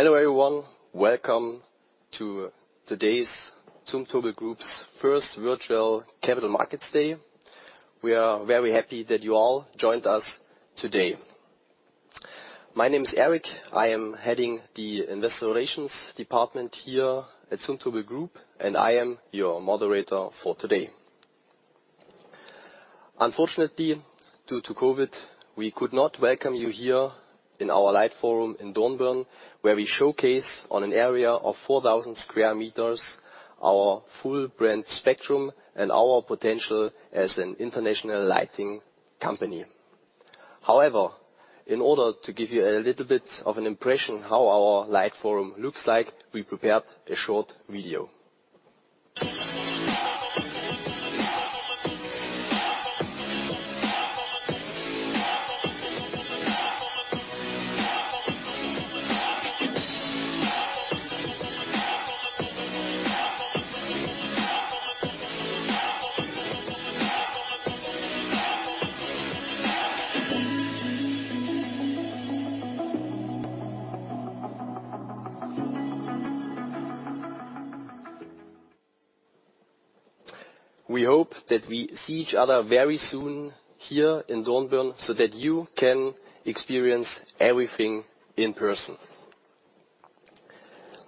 Hello, everyone. Welcome to today's Zumtobel Group's first virtual Capital Markets Day. We are very happy that you all joined us today. My name is Eric. I am heading the investor relations department here at Zumtobel Group, and I am your moderator for today. Unfortunately, due to COVID, we could not welcome you here in our light forum in Dornbirn, where we showcase, on an area of 4,000 sq m, our full brand spectrum and our potential as an international lighting company. However, in order to give you a little bit of an impression how our light forum looks like, we prepared a short video. We hope that we see each other very soon here in Dornbirn so that you can experience everything in person.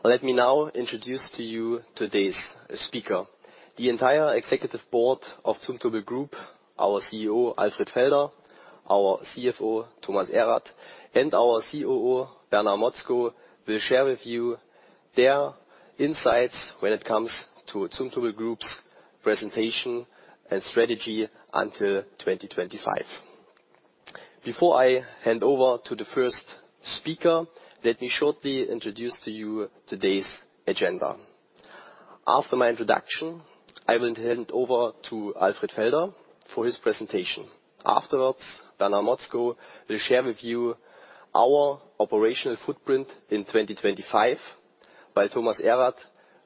Let me now introduce to you today's speaker, the entire executive board of Zumtobel Group, our CEO, Alfred Felder, our CFO, Thomas Erath, and our COO, Bernard Motzko, will share with you their insights when it comes to Zumtobel Group's presentation and strategy until 2025. Before I hand over to the first speaker, let me shortly introduce to you today's agenda. After my introduction, I will hand over to Alfred Felder for his presentation. Afterwards, Bernard Motzko will share with you our operational footprint in 2025, while Thomas Erath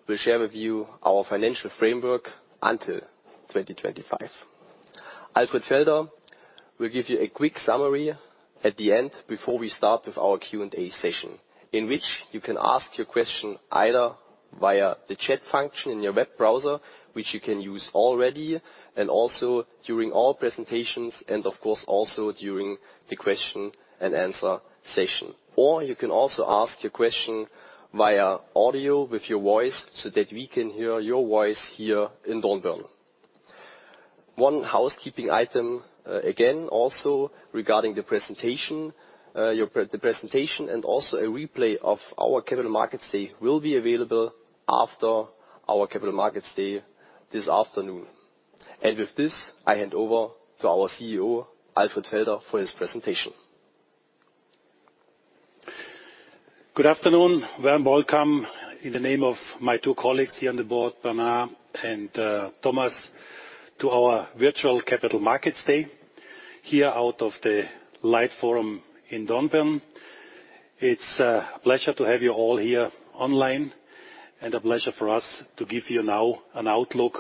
will share with you our financial framework until 2025. Alfred Felder will give you a quick summary at the end before we start with our Q&A session, in which you can ask your question either via the chat function in your web browser, which you can use already and also during all presentations, and of course, also during the question-and-answer session. Or you can also ask your question via audio with your voice so that we can hear your voice here in Dornbirn. One housekeeping item, again, also regarding the presentation. The presentation and also a replay of our Capital Markets Day will be available after our Capital Markets Day this afternoon. With this, I hand over to our CEO, Alfred Felder, for his presentation. Good afternoon. Warm welcome in the name of my two colleagues here on the board, Bernard and Thomas, to our virtual Capital Markets Day, here out of the Light Forum in Dornbirn. It is a pleasure to have you all here online and a pleasure for us to give you now an outlook,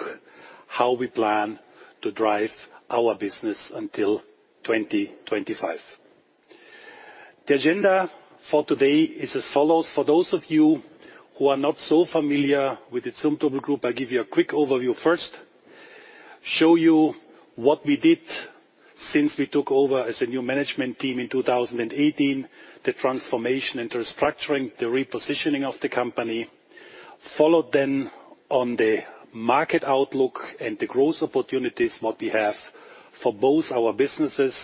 how we plan to drive our business until 2025. The agenda for today is as follows. For those of you who are not so familiar with the Zumtobel Group, I will give you a quick overview first, show you what we did since we took over as a new management team in 2018, the transformation and restructuring, the repositioning of the company. Follow on the market outlook and the growth opportunities, what we have for both our businesses.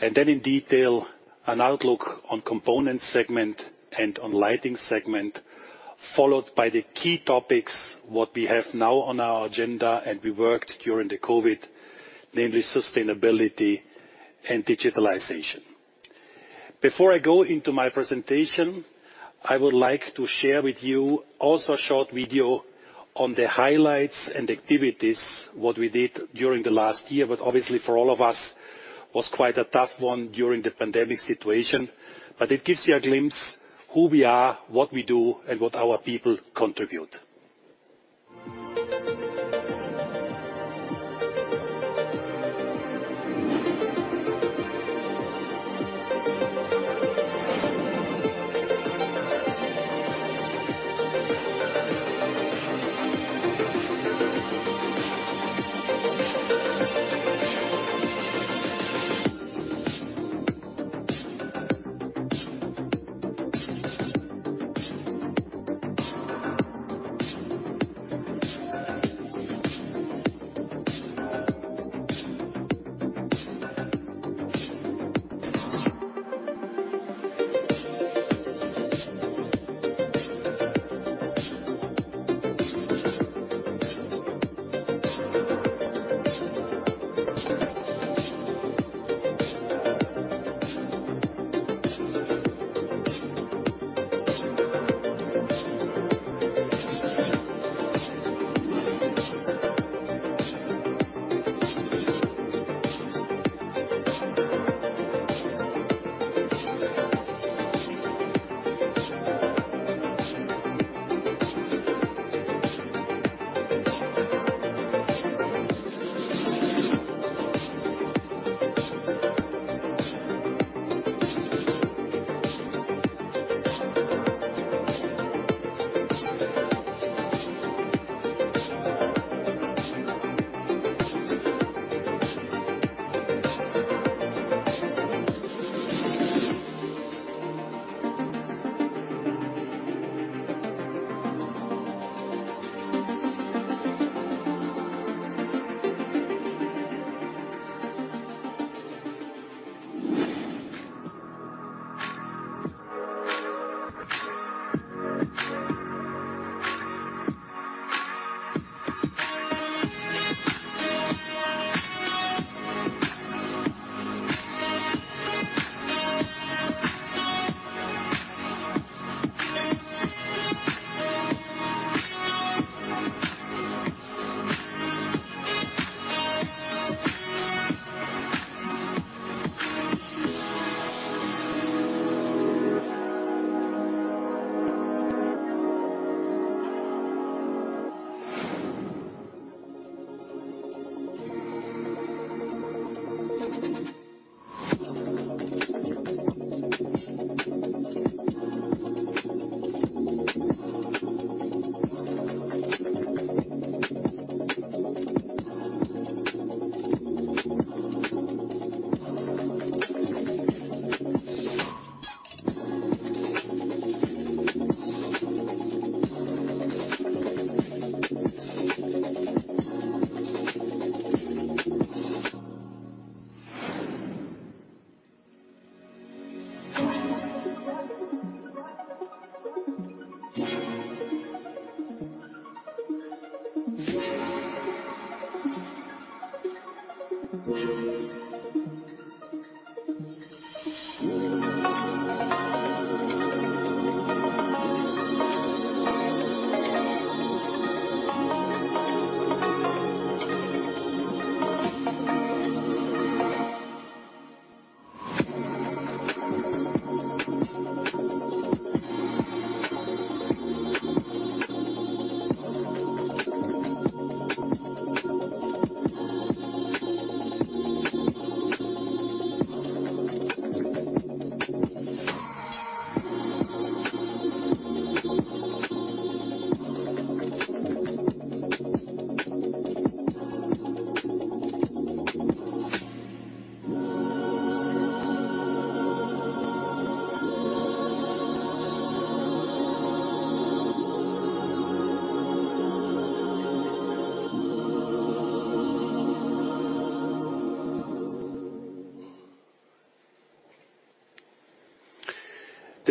In detail, an outlook on component segment and on lighting segment, followed by the key topics, what we have now on our agenda and we worked during the COVID, namely sustainability and digitalization. Before I go into my presentation, I would like to share with you also a short video on the highlights and activities, what we did during the last year. Obviously for all of us, was quite a tough one during the pandemic situation. It gives you a glimpse who we are, what we do, and what our people contribute.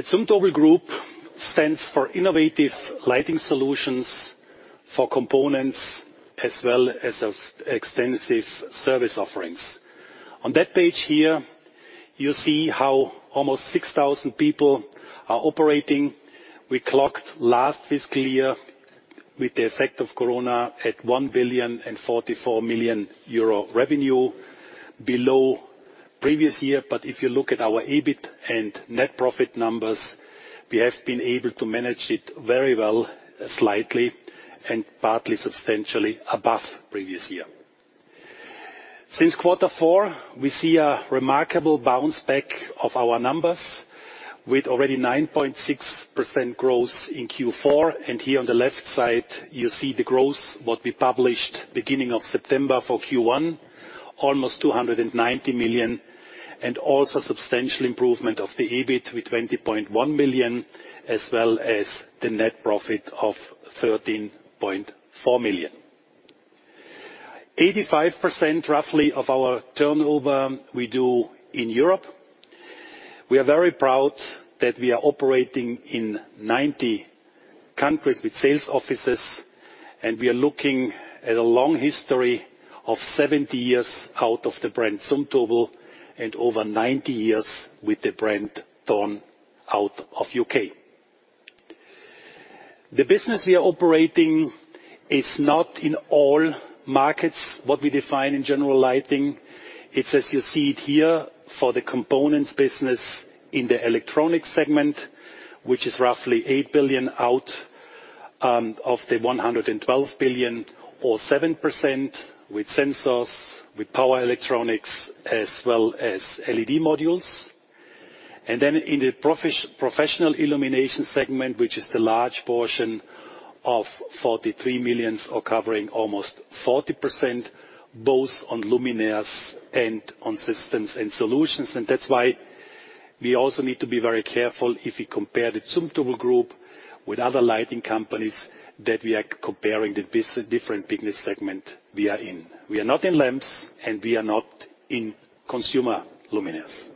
The Zumtobel Group stands for innovative lighting solutions for components as well as extensive service offerings. On that page here, you see how almost 6,000 people are operating. We clocked last fiscal year with the effect of corona at 1.044 billion revenue, below previous year. If you look at our EBIT and net profit numbers, we have been able to manage it very well, slightly and partly substantially above previous year. Since quarter four, we see a remarkable bounce back of our numbers, with already 9.6% growth in Q4. Here on the left side, you see the growth, what we published beginning of September for Q1, almost 290 million, also substantial improvement of the EBIT with 20.1 million, as well as the net profit of 13.4 million. 85%, roughly, of our turnover we do in Europe. We are very proud that we are operating in 90 countries with sales offices, and we are looking at a long history of 70 years out of the brand Zumtobel and over 90 years with the brand Thorn out of U.K. The business we are operating is not in all markets what we define in general lighting. It's as you see it here for the components business in the electronic segment, which is roughly 8 billion out of the 112 billion, or 7%, with sensors, with power electronics, as well as LED modules. In the professional illumination segment, which is the large portion of 43 million or covering almost 40%, both on luminaires and on systems and solutions. That's why we also need to be very careful if we compare the Zumtobel Group with other lighting companies, that we are comparing the different business segment we are in. We are not in lamps, and we are not in consumer luminaires.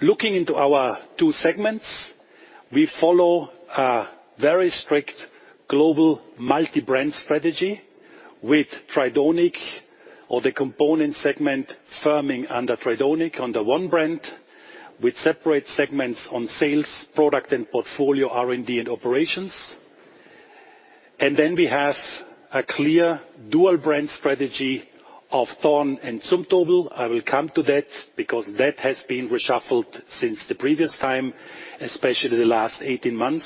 Looking into our two segments, we follow a very strict global multi-brand strategy with Tridonic or the component segment firming under Tridonic under one brand, with separate segments on sales, product and portfolio, R&D and operations. We have a clear dual brand strategy of Thorn and Zumtobel. I will come to that because that has been reshuffled since the previous time, especially the last 18 months.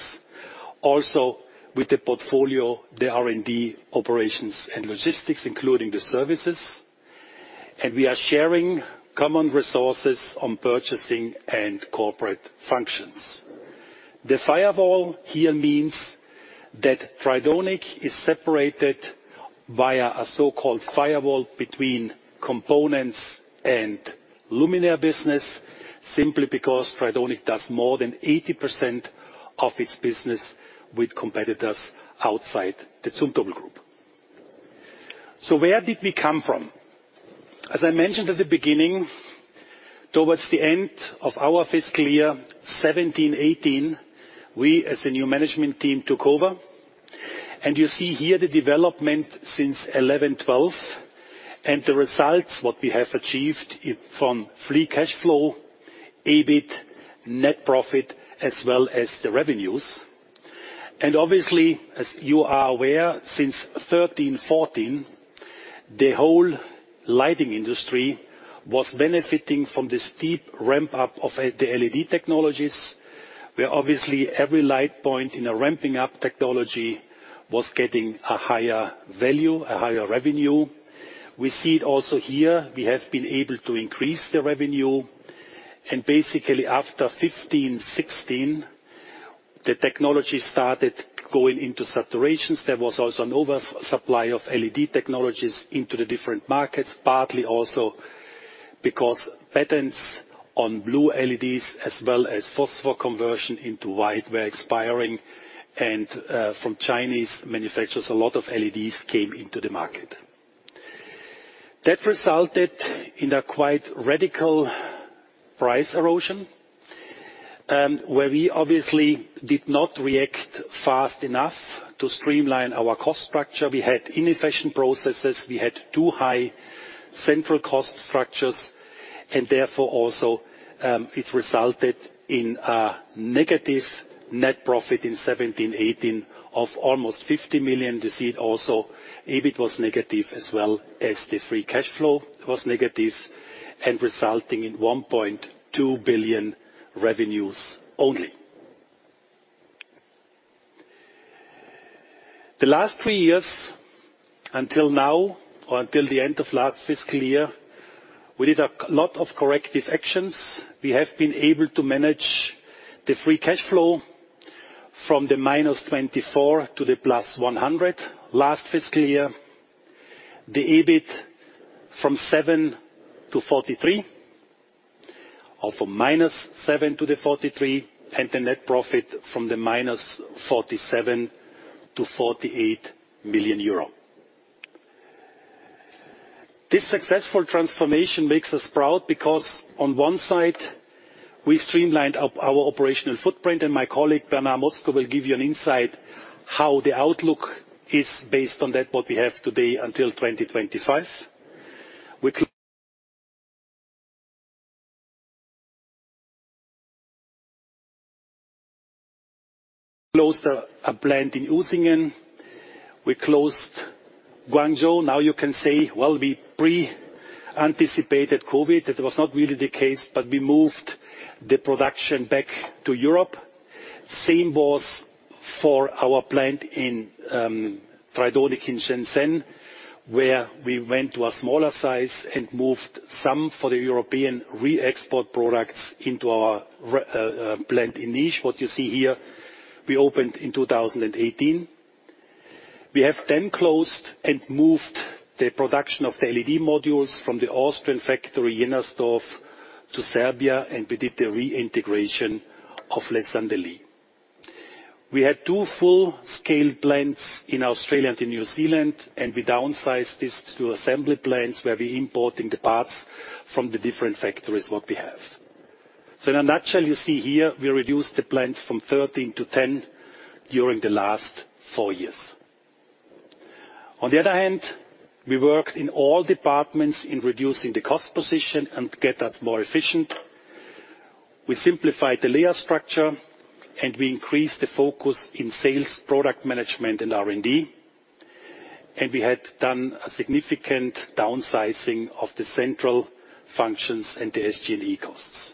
With the portfolio, the R&D operations and logistics, including the services. We are sharing common resources on purchasing and corporate functions. The firewall here means that Tridonic is separated via a so-called firewall between components and luminaire business, simply because Tridonic does more than 80% of its business with competitors outside the Zumtobel Group. Where did we come from? As I mentioned at the beginning, towards the end of our fiscal year 2017, 2018, we, as a new management team, took over. You see here the development since 2011, 2012, and the results, what we have achieved from free cash flow, EBIT, net profit, as well as the revenues. Obviously, as you are aware, since 2013, 2014, the whole lighting industry was benefiting from the steep ramp-up of the LED technologies, where obviously every light point in a ramping up technology was getting a higher value, a higher revenue. We see it also here, we have been able to increase the revenue. Basically, after 2015, 2016, the technology started going into saturations. There was also an oversupply of LED technologies into the different markets, partly also because patents on blue LEDs, as well as phosphor conversion into white, were expiring. From Chinese manufacturers, a lot of LEDs came into the market. That resulted in a quite radical price erosion, where we obviously did not react fast enough to streamline our cost structure. We had inefficient processes, we had too high central cost structures, and therefore also, it resulted in a negative net profit in 2017, 2018 of almost 50 million. You see it also, EBIT was negative as well as the free cash flow was negative, and resulting in 1.2 billion revenues only. The last three years until now, or until the end of last fiscal year, we did a lot of corrective actions. We have been able to manage the free cash flow from the -24 to the 100 last fiscal year, the EBIT from 7 million to 43 million, or from -7 million to the 43 million, and the net profit from the -47 million to 48 million euro. This successful transformation makes us proud because on one side, we streamlined our operational footprint, and my colleague, Bernard Motzko, will give you an insight how the outlook is based on that, what we have today until 2025. We closed a plant in Usingen. We closed Guangzhou. You can say, well, we pre-anticipated COVID. That was not really the case, but we moved the production back to Europe. Same was for our plant in Tridonic in Shenzhen, where we went to a smaller size and moved some for the European re-export products into our plant in Niš. What you see here, we opened in 2018. We have closed and moved the production of the LED modules from the Austrian factory, Jennersdorf, to Serbia, and we did the reintegration of Les Andelys. We had two full-scale plants in Austria and in New Zealand, and we downsized these two assembly plants, where we importing the parts from the different factories what we have. In a nutshell, you see here, we reduced the plants from 13 to 10 during the last four years. On the other hand, we worked in all departments in reducing the cost position and get us more efficient. We simplified the layer structure, and we increased the focus in sales, product management, and R&D. We had done a significant downsizing of the central functions and the SG&A costs.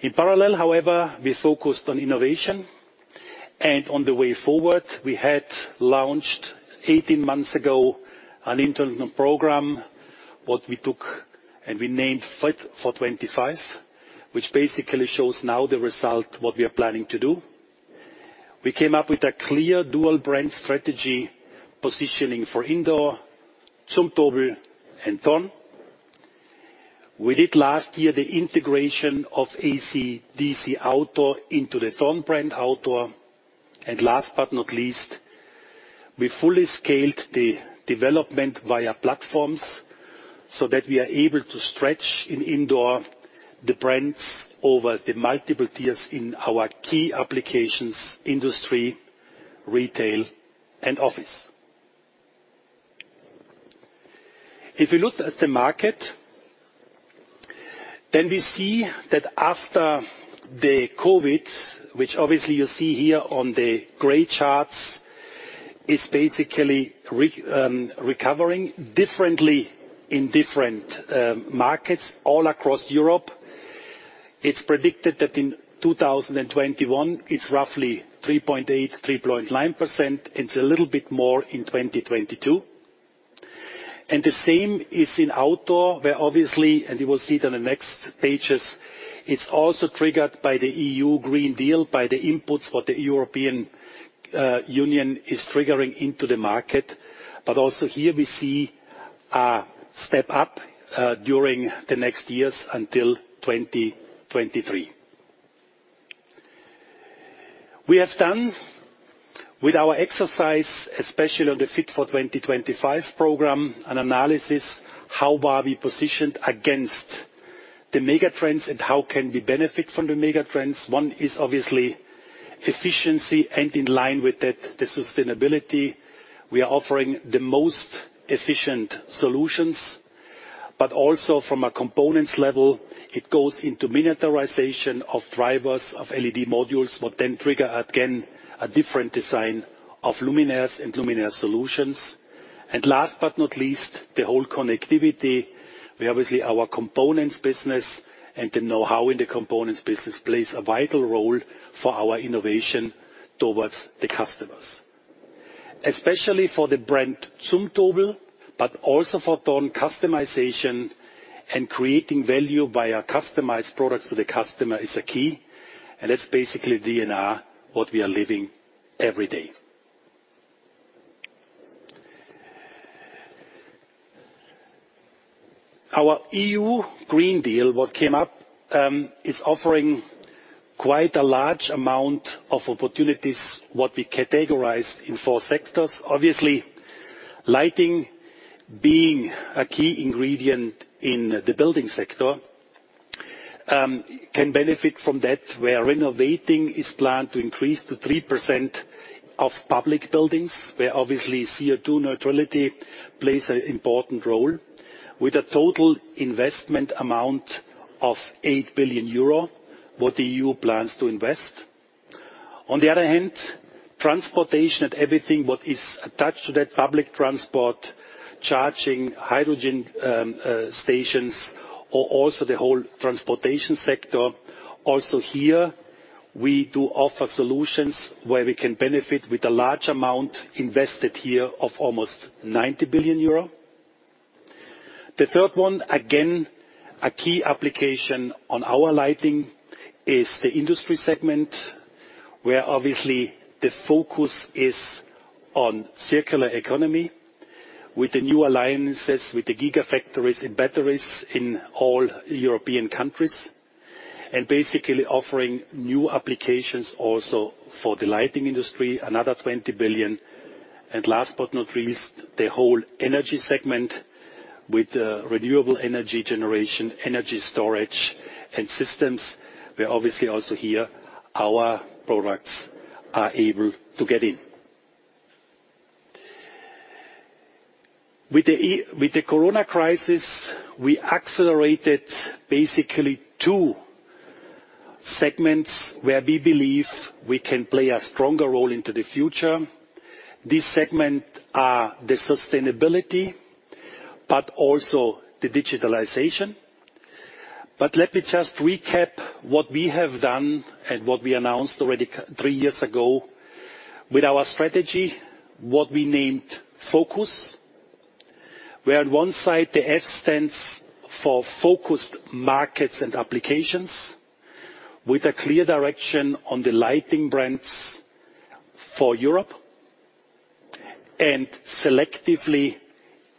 In parallel, however, we focused on innovation and on the way forward. We had launched, 18 months ago, an internal program what we took and we named Fit for 2025, which basically shows now the result what we are planning to do. We came up with a clear dual brand strategy positioning for indoor, Zumtobel and Thorn. We did last year the integration of acdc outdoor into the Thorn brand outdoor. Last but not least, we fully scaled the development via platforms so that we are able to stretch in indoor the brands over the multiple tiers in our key applications: industry, retail, and office. If you look at the market, then we see that after the COVID, which obviously you see here on the gray charts, is basically recovering differently in different markets all across Europe. It's predicted that in 2021, it's roughly 3.8%, 3.9%. It's a little bit more in 2022. The same is in outdoor, where obviously, and you will see it on the next pages, it's also triggered by the EU Green Deal, by the inputs what the European Union is triggering into the market. Also here, we see a step up during the next years until 2023. We have done with our exercise, especially on the Fit for 2025 program, an analysis, how are we positioned against the mega trends and how can we benefit from the mega trends? One is obviously efficiency and in line with that, the sustainability. We are offering the most efficient solutions, but also from a components level, it goes into miniaturization of drivers, of LED modules, what then trigger again, a different design of luminaires and luminaire solutions. Last but not least, the whole connectivity. We obviously, our components business and the knowhow in the components business plays a vital role for our innovation towards the customers. Especially for the brand Zumtobel, but also for Thorn customization and creating value via customized products to the customer is a key, and it's basically DNA what we are living every day. Our European Green Deal, what came up, is offering quite a large amount of opportunities, what we categorized in four sectors. Obviously, lighting being a key ingredient in the building sector, can benefit from that, where renovating is planned to increase to 3% of public buildings, where obviously CO2 neutrality plays an important role, with a total investment amount of 8 billion euro what the EU plans to invest. On the other hand, transportation and everything, what is attached to that, public transport, charging, hydrogen stations, or also the whole transportation sector. Here, we do offer solutions where we can benefit with a large amount invested here of almost 90 billion euro. The third one, again, a key application on our lighting is the industry segment, where obviously the focus is on circular economy with the new alliances, with the gigafactories and batteries in all European countries. Basically offering new applications also for the lighting industry, another 20 billion. Last but not least, the whole energy segment with renewable energy generation, energy storage and systems, where obviously also here, our products are able to get in. With the COVID crisis, we accelerated basically two segments where we believe we can play a stronger role into the future. These segment are the sustainability, but also the digitalization. Let me just recap what we have done and what we announced already three years ago with our strategy, what we named FOCUS. On one side, the F stands for focused markets and applications, with a clear direction on the lighting brands for Europe and selectively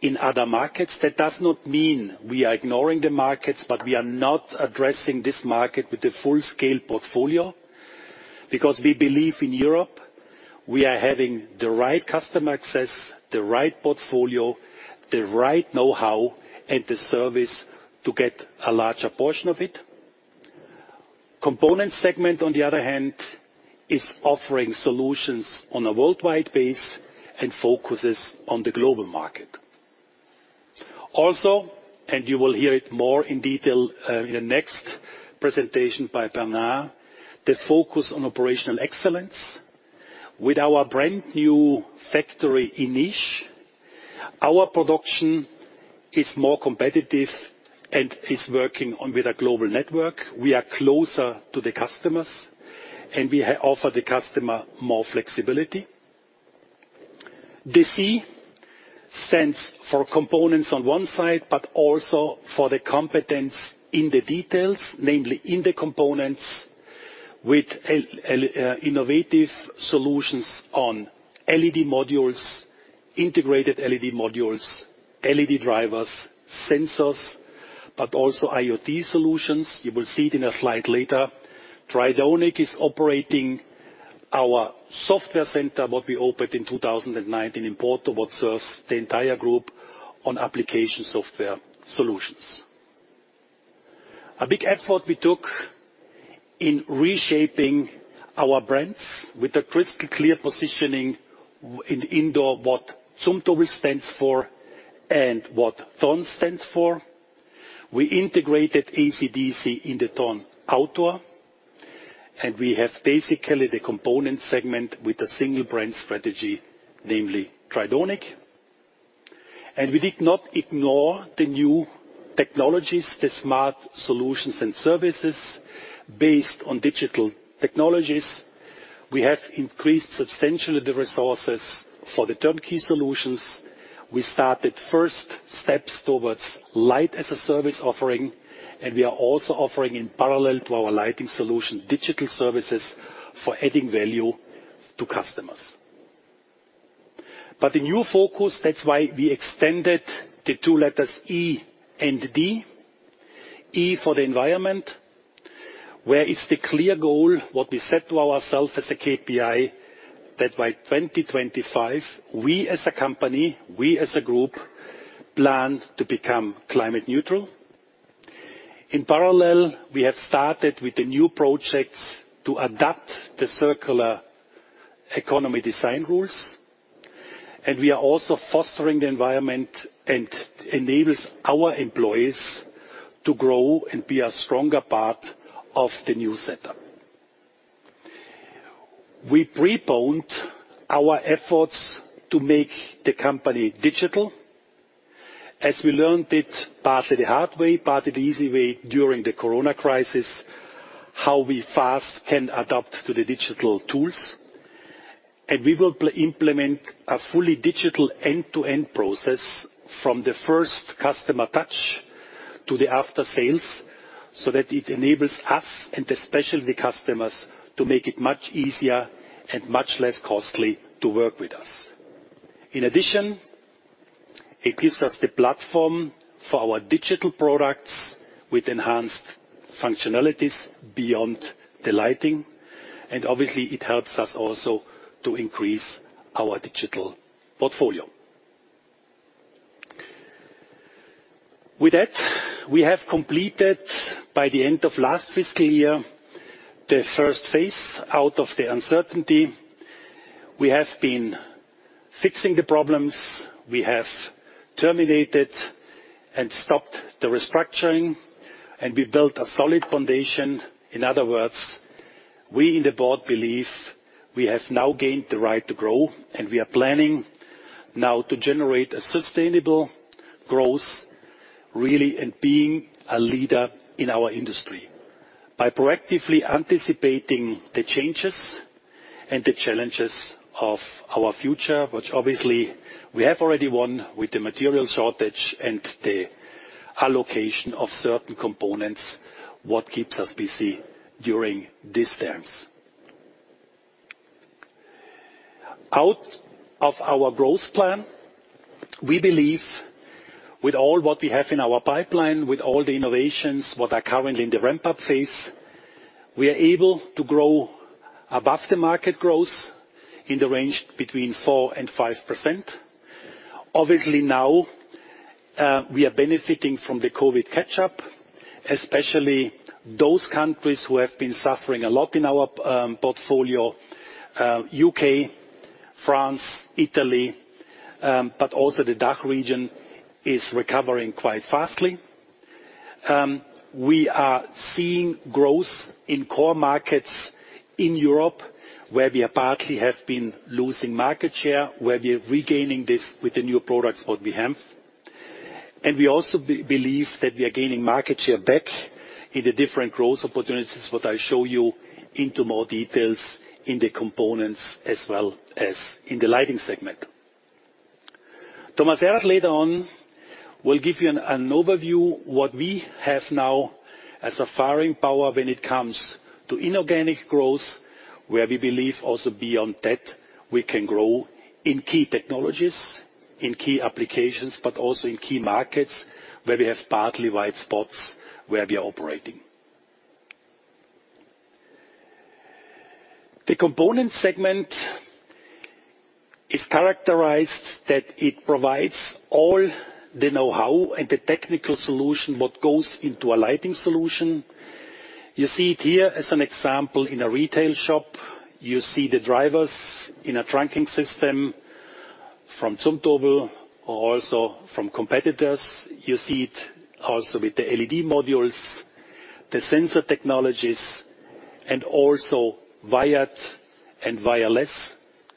in other markets. That does not mean we are ignoring the markets, but we are not addressing this market with a full-scale portfolio. Because we believe in Europe, we are having the right customer access, the right portfolio, the right knowhow, and the service to get a larger portion of it. Component segment, on the other hand, is offering solutions on a worldwide base and focuses on the global market. Also, and you will hear it more in detail, in the next presentation by Bernard, the focus on operational excellence with our brand new factory in Niš. Our production is more competitive and is working on with a global network. We are closer to the customers, and we offer the customer more flexibility. The C stands for components on one side, but also for the competence in the details, namely in the components with innovative solutions on LED modules, integrated LED modules, LED drivers, sensors, but also IoT solutions. You will see it in a slide later. Tridonic is operating our software center, what we opened in 2019 in Porto, what serves the entire group on application software solutions. A big effort we took in reshaping our brands with a crystal clear positioning in indoor, what Zumtobel stands for and what Thorn stands for. We integrated acdc into Thorn outdoor. We have basically the component segment with a single brand strategy, namely Tridonic. We did not ignore the new technologies, the smart solutions and services based on digital technologies. We have increased substantially the resources for the turnkey solutions. We started first steps towards light-as-a-service offering, and we are also offering in parallel to our lighting solution, digital services for adding value to customers. The new focus, that's why we extended the two letters E and D. E for the environment, where it's the clear goal, what we set to ourself as a KPI, that by 2025, we as a company, we as a group, plan to become climate neutral. In parallel, we have started with the new projects to adapt the circular economy design rules, and we are also fostering the environment and enables our employees to grow and be a stronger part of the new setup. We propelled our efforts to make the company digital, as we learned it partly the hard way, partly the easy way during the corona crisis, how we fast can adapt to the digital tools. We will implement a fully digital end-to-end process from the first customer touch to the aftersales, so that it enables us, and especially the customers, to make it much easier and much less costly to work with us. In addition, it gives us the platform for our digital products with enhanced functionalities beyond the lighting, and obviously, it helps us also to increase our digital portfolio. With that, we have completed by the end of last fiscal year, the first phase out of the uncertainty. We have been fixing the problems, we have terminated and stopped the restructuring, we built a solid foundation. In other words, we in the board believe we have now gained the right to grow, and we are planning now to generate a sustainable growth, really, and being a leader in our industry. By proactively anticipating the changes and the challenges of our future, which obviously we have already won with the material shortage and the allocation of certain components, what keeps us busy during these terms. Out of our growth plan, we believe with all what we have in our pipeline, with all the innovations, what are currently in the ramp-up phase, we are able to grow above the market growth in the range between 4% and 5%. Obviously now, we are benefiting from the COVID catch-up, especially those countries who have been suffering a lot in our portfolio, U.K., France, Italy, but also the DACH region is recovering quite fastly. We are seeing growth in core markets in Europe, where we partly have been losing market share, where we are regaining this with the new products what we have. We also believe that we are gaining market share back in the different growth opportunities, what I show you into more details in the components as well as in the lighting segment. Thomas Erath later on will give you an overview what we have now as a firing power when it comes to inorganic growth, where we believe also beyond that, we can grow in key technologies, in key applications, but also in key markets where we have partly white spots where we are operating. The component segment is characterized that it provides all the knowhow and the technical solution, what goes into a lighting solution. You see it here as an example, in a retail shop. You see the drivers in a trunking system from Zumtobel or also from competitors. You see it also with the LED modules, the sensor technologies, and also wired and wireless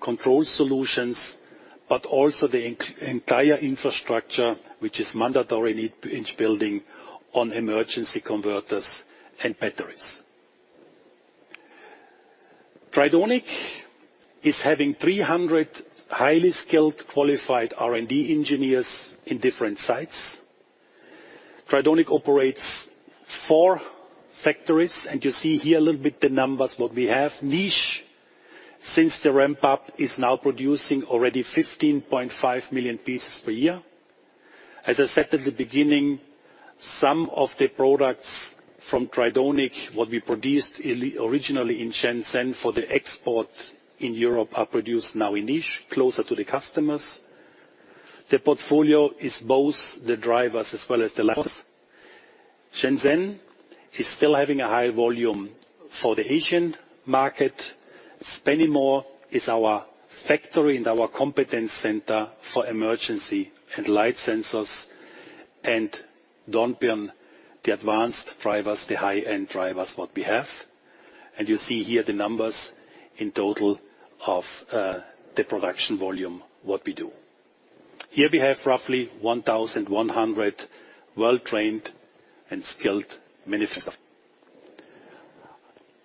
control solutions, but also the entire infrastructure, which is mandatory in each building on emergency converters and batteries. Tridonic is having 300 highly skilled, qualified R&D engineers in different sites. Tridonic operates four factories, and you see here a little bit the numbers what we have. Niš, since the ramp-up, is now producing already 15.5 million pieces per year. As I said at the beginning, some of the products from Tridonic, what we produced originally in Shenzhen for the export in Europe, are produced now in Niš, closer to the customers. The portfolio is both the drivers as well as the luminaires. Shenzhen is still having a high volume for the Asian market. Spennymoor is our factory and our competence center for emergency and light sensors. Dornbirn, the advanced drivers, the high-end drivers, what we have. You see here the numbers in total of the production volume, what we do. Here we have roughly 1,100 well-trained and skilled manufacturers.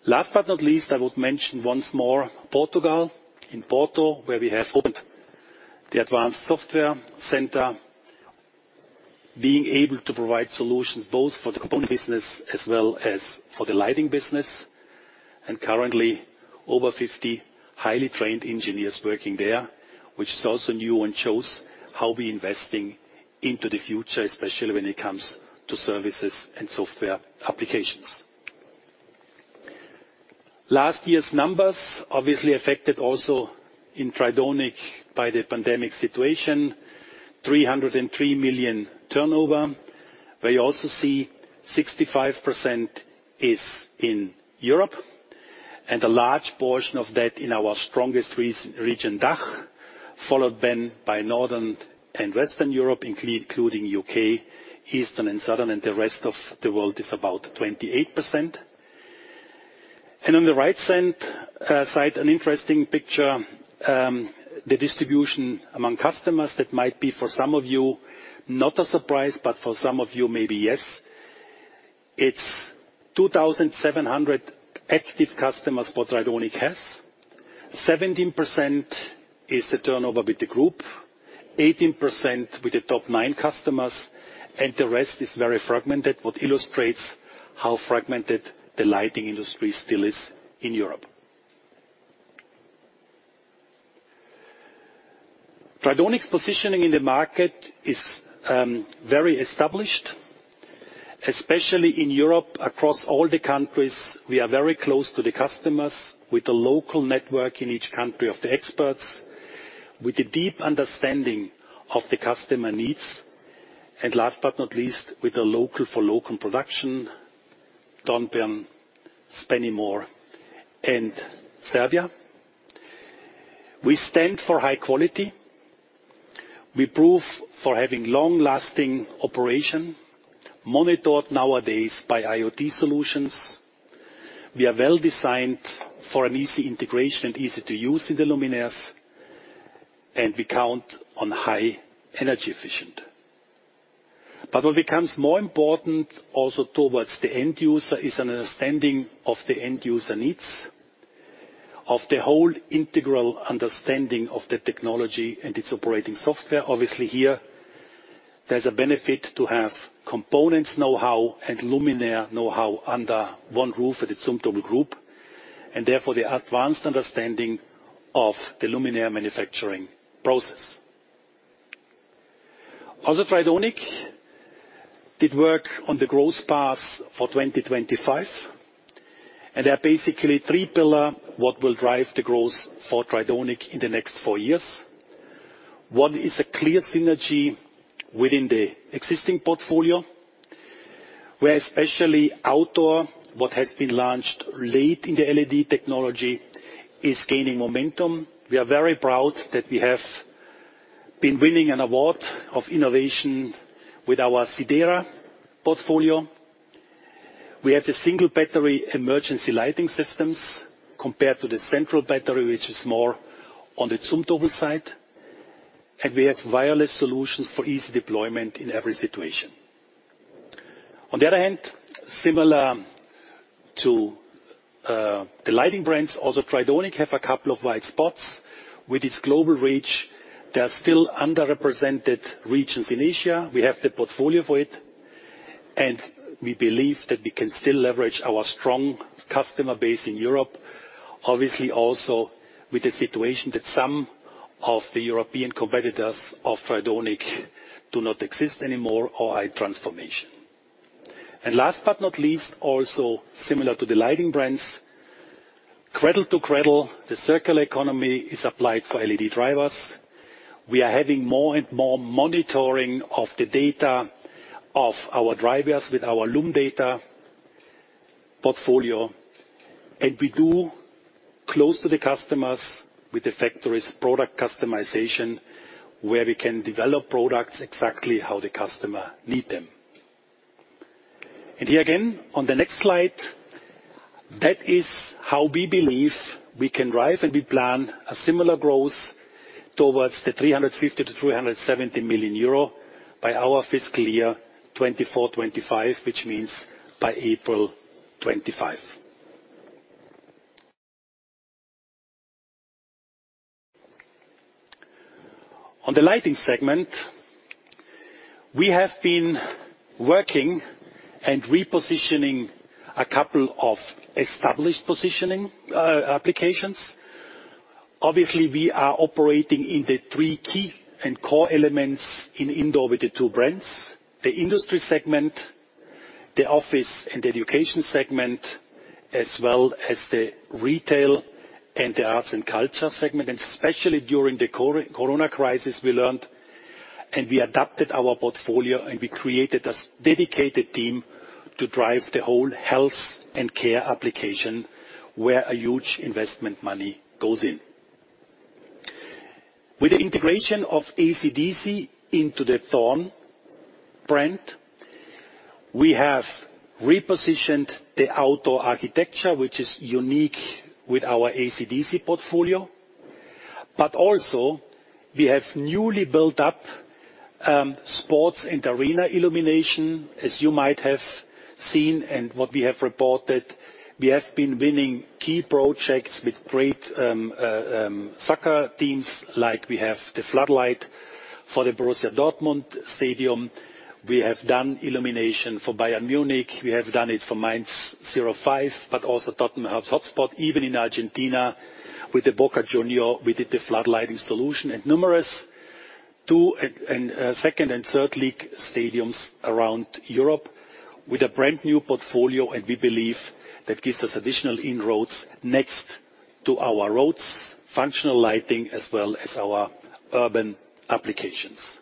Last but not least, I would mention once more, Portugal, in Porto, where we have opened the advanced software center, being able to provide solutions both for the component business as well as for the lighting business, and currently over 50 highly trained engineers working there, which is also new and shows how we're investing into the future, especially when it comes to services and software applications. Last year's numbers, obviously affected also in Tridonic by the pandemic situation, 303 million turnover. Where you also see 65% is in Europe, a large portion of that in our strongest region, DACH, followed then by Northern and Western Europe, including U.K., Eastern and Southern, and the rest of the world is about 28%. On the right side, an interesting picture, the distribution among customers, that might be for some of you not a surprise, but for some of you, maybe yes. It's 2,700 active customers what Tridonic has. 17% is the turnover with the group, 18% with the top nine customers, the rest is very fragmented, what illustrates how fragmented the lighting industry still is in Europe. Tridonic's positioning in the market is very established, especially in Europe. Across all the countries, we are very close to the customers, with a local network in each country of the experts, with a deep understanding of the customer needs. Last but not least, with a local for local production, Dornbirn, Spennymoor, and Serbia. We stand for high quality. We prove for having long-lasting operation, monitored nowadays by IoT solutions. We are well-designed for an easy integration and easy to use in the luminaires, and we count on high energy efficient. What becomes more important also towards the end user is an understanding of the end user needs, of the whole integral understanding of the technology and its operating software. Obviously here, there's a benefit to have components knowhow and luminaire knowhow under one roof at the Zumtobel Group, and therefore the advanced understanding of the luminaire manufacturing process. Also, Tridonic did work on the growth path for 2025, and there are basically three pillar what will drive the growth for Tridonic in the next four years. One is a clear synergy within the existing portfolio, where especially outdoor, what has been launched late in the LED technology, is gaining momentum. We are very proud that we have been winning an award of innovation with our SIDEREA portfolio. We have the single battery emergency lighting systems compared to the central battery, which is more on the Zumtobel side. We have wireless solutions for easy deployment in every situation. On the other hand, similar to the lighting brands, also Tridonic have a couple of white spots. With its global reach, there are still underrepresented regions in Asia. We have the portfolio for it, and we believe that we can still leverage our strong customer base in Europe. Obviously also with the situation that some of the European competitors of Tridonic do not exist anymore or are in transformation. Last but not least, also similar to the lighting brands, cradle-to-cradle, the circular economy is applied for LED drivers. We are having more and more monitoring of the data of our drivers with our lumDATA portfolio. We do close to the customers with the factories, product customization, where we can develop products exactly how the customer need them. Here again, on the next slide, that is how we believe we can drive, and we plan a similar growth towards the 350 million-370 million euro by our fiscal year 2024-2025, which means by April 2025. On the lighting segment, we have been working and repositioning a couple of established positioning applications. Obviously, we are operating in the three key and core elements in indoor with the two brands, the industry segment, the office and education segment, as well as the retail and the arts and culture segment. Especially during the COVID crisis, we learned and we adapted our portfolio, and we created a dedicated team to drive the whole health and care application where huge investment money goes in. With the integration of acdc into the Thorn brand, we have repositioned the outdoor architecture, which is unique with our acdc portfolio. Also we have newly built up sports and arena illumination, as you might have seen, and what we have reported, we have been winning key projects with great soccer teams. Like we have the floodlight for the Borussia Dortmund stadium. We have done illumination for Bayern Munich. We have done it for Mainz 05, but also Tottenham Hotspur. Even in Argentina with the Boca Juniors, we did the floodlighting solution, and numerous second and third league stadiums around Europe with a brand new portfolio. We believe that gives us additional inroads next to our roads, functional lighting, as well as our urban applications.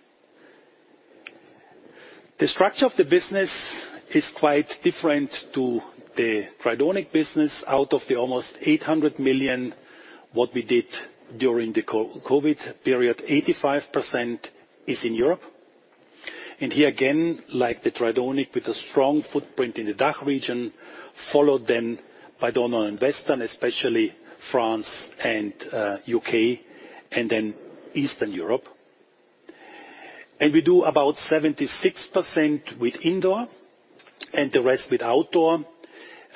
The structure of the business is quite different to the Tridonic business. Out of the almost 800 million, what we did during the COVID period, 85% is in Europe. Here again, like the Tridonic, with a strong footprint in the DACH region, followed then by Northern and Western, especially France and U.K., and then Eastern Europe. We do about 76% with indoor and the rest with outdoor,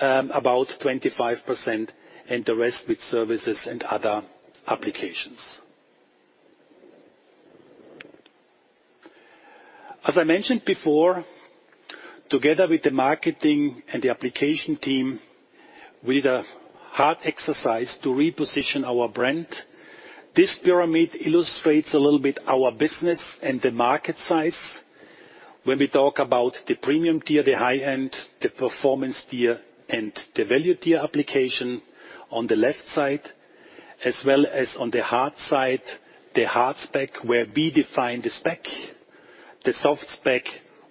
about 25%, and the rest with services and other applications. As I mentioned before, together with the marketing and the application team, we did a hard exercise to reposition our brand. This pyramid illustrates a little bit our business and the market size. When we talk about the premium tier, the high-end, the performance tier, and the value tier application on the left side, as well as on the hard side, the hard spec, where we define the spec. The soft spec,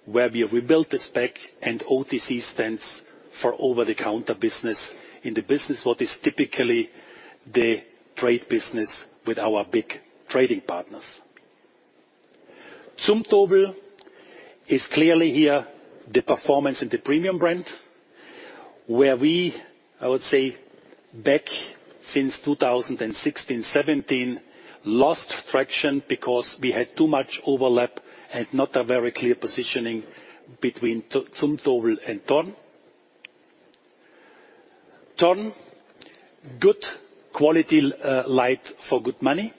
where we rebuilt the spec, OTC stands for over-the-counter business. In the business world is typically the trade business with our big trading partners. Zumtobel is clearly here the performance and the premium brand, where we, I would say back since 2016-2017, lost traction because we had too much overlap and not a very clear positioning between Zumtobel and Thorn. Thorn, good quality light for good money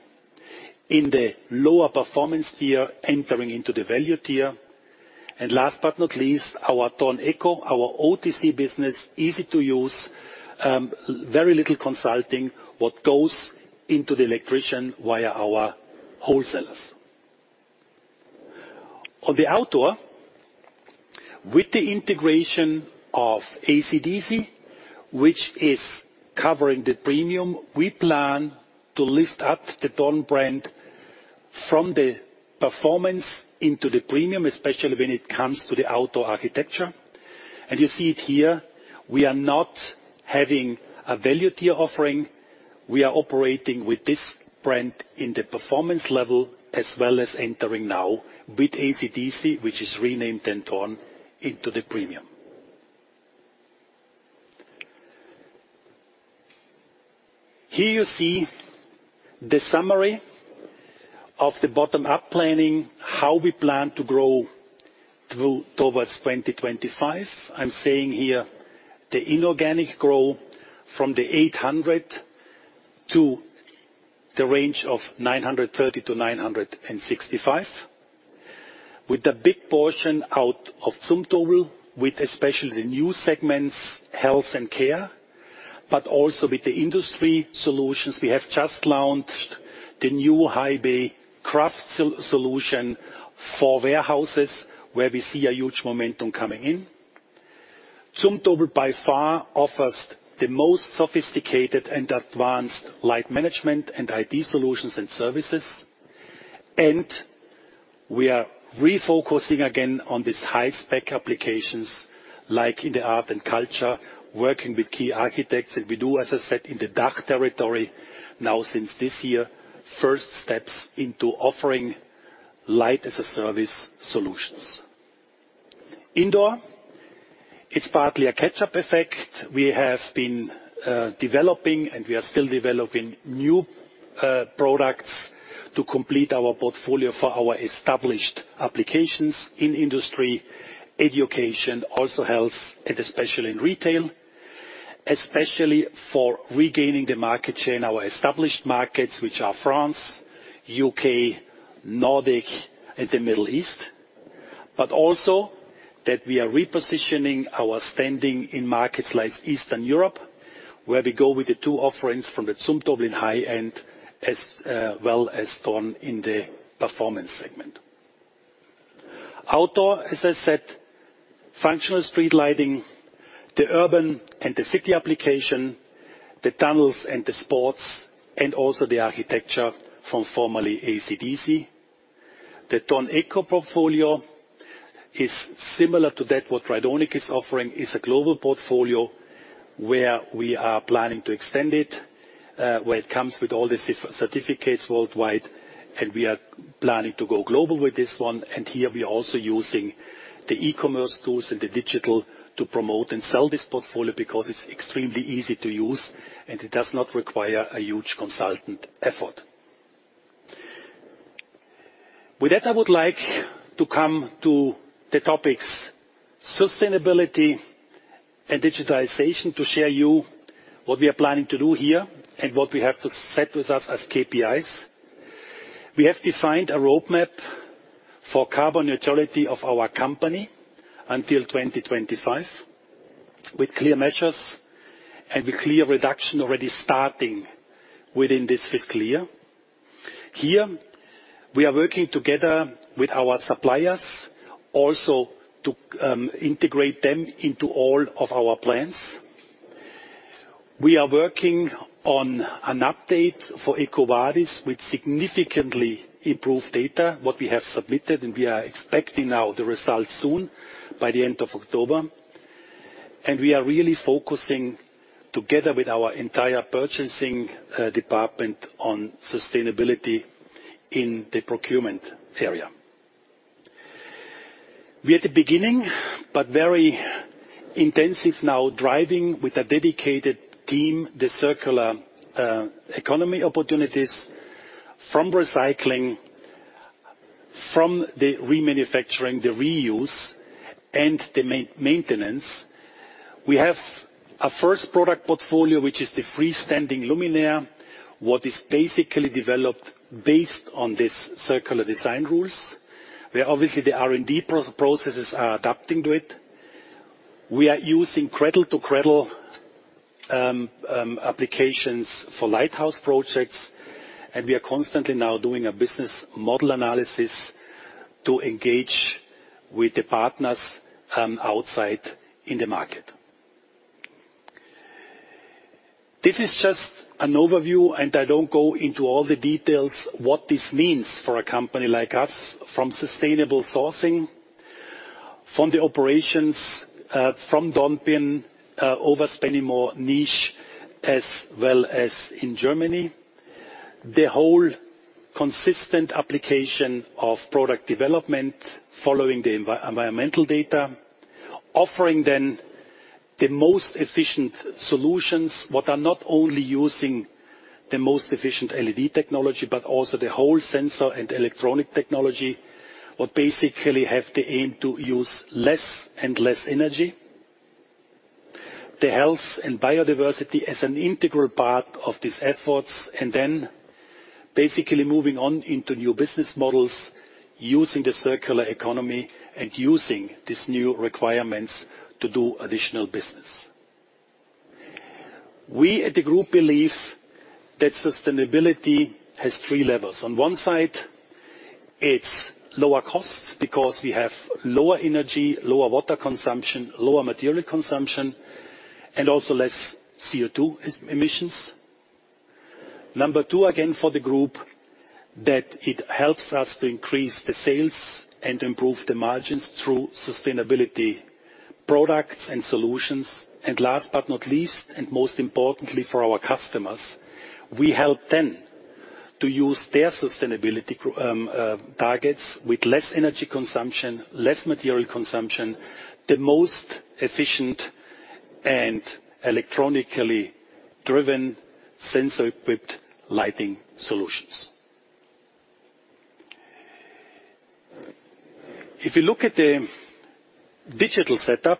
in the lower performance tier, entering into the value tier. Last but not least, our THORNeco, our OTC business. Easy to use, very little consulting, what goes into the electrician via our wholesalers. On the outdoor, with the integration of acdc, which is covering the premium, we plan to lift up the Thorn brand from the performance into the premium, especially when it comes to the outdoor architecture. You see it here. We are not having a value tier offering. We are operating with this brand in the performance level, as well as entering now with acdc, which is renamed then Thorn, into the premium. Here you see the summary of the bottom-up planning, how we plan to grow towards 2025. I'm saying here the inorganic growth from the 800 to the range of 930-965. With a big portion out of Zumtobel, with especially the new segments, health and care, but also with the industry solutions. We have just launched the new High Bay CRAFT solution for warehouses, where we see a huge momentum coming in. Zumtobel by far offers the most sophisticated and advanced light management and IoT solutions and services. We are refocusing again on these high-spec applications like in the art and culture, working with key architects. We do, as I said, in the DACH territory now since this year, first steps into offering light-as-a-service solutions. Indoor, it's partly a catch-up effect. We have been developing and we are still developing new products to complete our portfolio for our established applications in industry, education, also health, and especially in retail. Especially for regaining the market share in our established markets, which are France, U.K., Nordic, and the Middle East. Also that we are repositioning our standing in markets like Eastern Europe, where we go with the two offerings from the Zumtobel in high-end, as well as Thorn in the performance segment. Outdoor, as I said, functional street lighting, the urban and the city application, the tunnels and the sports, and also the architecture from formerly acdc. The THORNeco portfolio is similar to that what Tridonic is offering. It is a global portfolio where we are planning to extend it, where it comes with all the certificates worldwide, and we are planning to go global with this one. Here we are also using the e-commerce tools and the digital to promote and sell this portfolio because it's extremely easy to use, and it does not require a huge consultant effort. With that, I would like to come to the topics sustainability and digitization to share you what we are planning to do here and what we have to set with us as KPIs. We have defined a roadmap for carbon neutrality of our company until 2025, with clear measures and with clear reduction already starting within this fiscal year. Here, we are working together with our suppliers also to integrate them into all of our plans. We are working on an update for EcoVadis with significantly improved data what we have submitted, and we are expecting now the results soon by the end of October. We are really focusing together with our entire purchasing department on sustainability in the procurement area. We are at the beginning, but very intensive now, driving with a dedicated team, the circular economy opportunities from recycling, from the remanufacturing, the reuse, and the maintenance. We have a first product portfolio, which is the freestanding luminaire, what is basically developed based on this circular design rules, where obviously the R&D processes are adapting to it. We are using cradle-to-cradle applications for lighthouse projects. We are constantly now doing a business model analysis to engage with the partners outside in the market. This is just an overview. I don't go into all the details what this means for a company like us from sustainable sourcing, from the operations, from Dornbirn, over Spennymoor, Niš, as well as in Germany. The whole consistent application of product development following the environmental data, offering then the most efficient solutions, what are not only using the most efficient LED technology, but also the whole sensor and electronic technology, what basically have the aim to use less and less energy. The health and biodiversity as an integral part of these efforts, then basically moving on into new business models using the circular economy and using these new requirements to do additional business. We at the group believe that sustainability has three levels. On one side, it's lower costs because we have lower energy, lower water consumption, lower material consumption, and also less CO2 emissions. Number two, again, for the group, that it helps us to increase the sales and improve the margins through sustainability products and solutions. Last but not least, and most importantly for our customers, we help them to use their sustainability targets with less energy consumption, less material consumption, the most efficient and electronically driven sensor-equipped lighting solutions. If you look at the digital setup,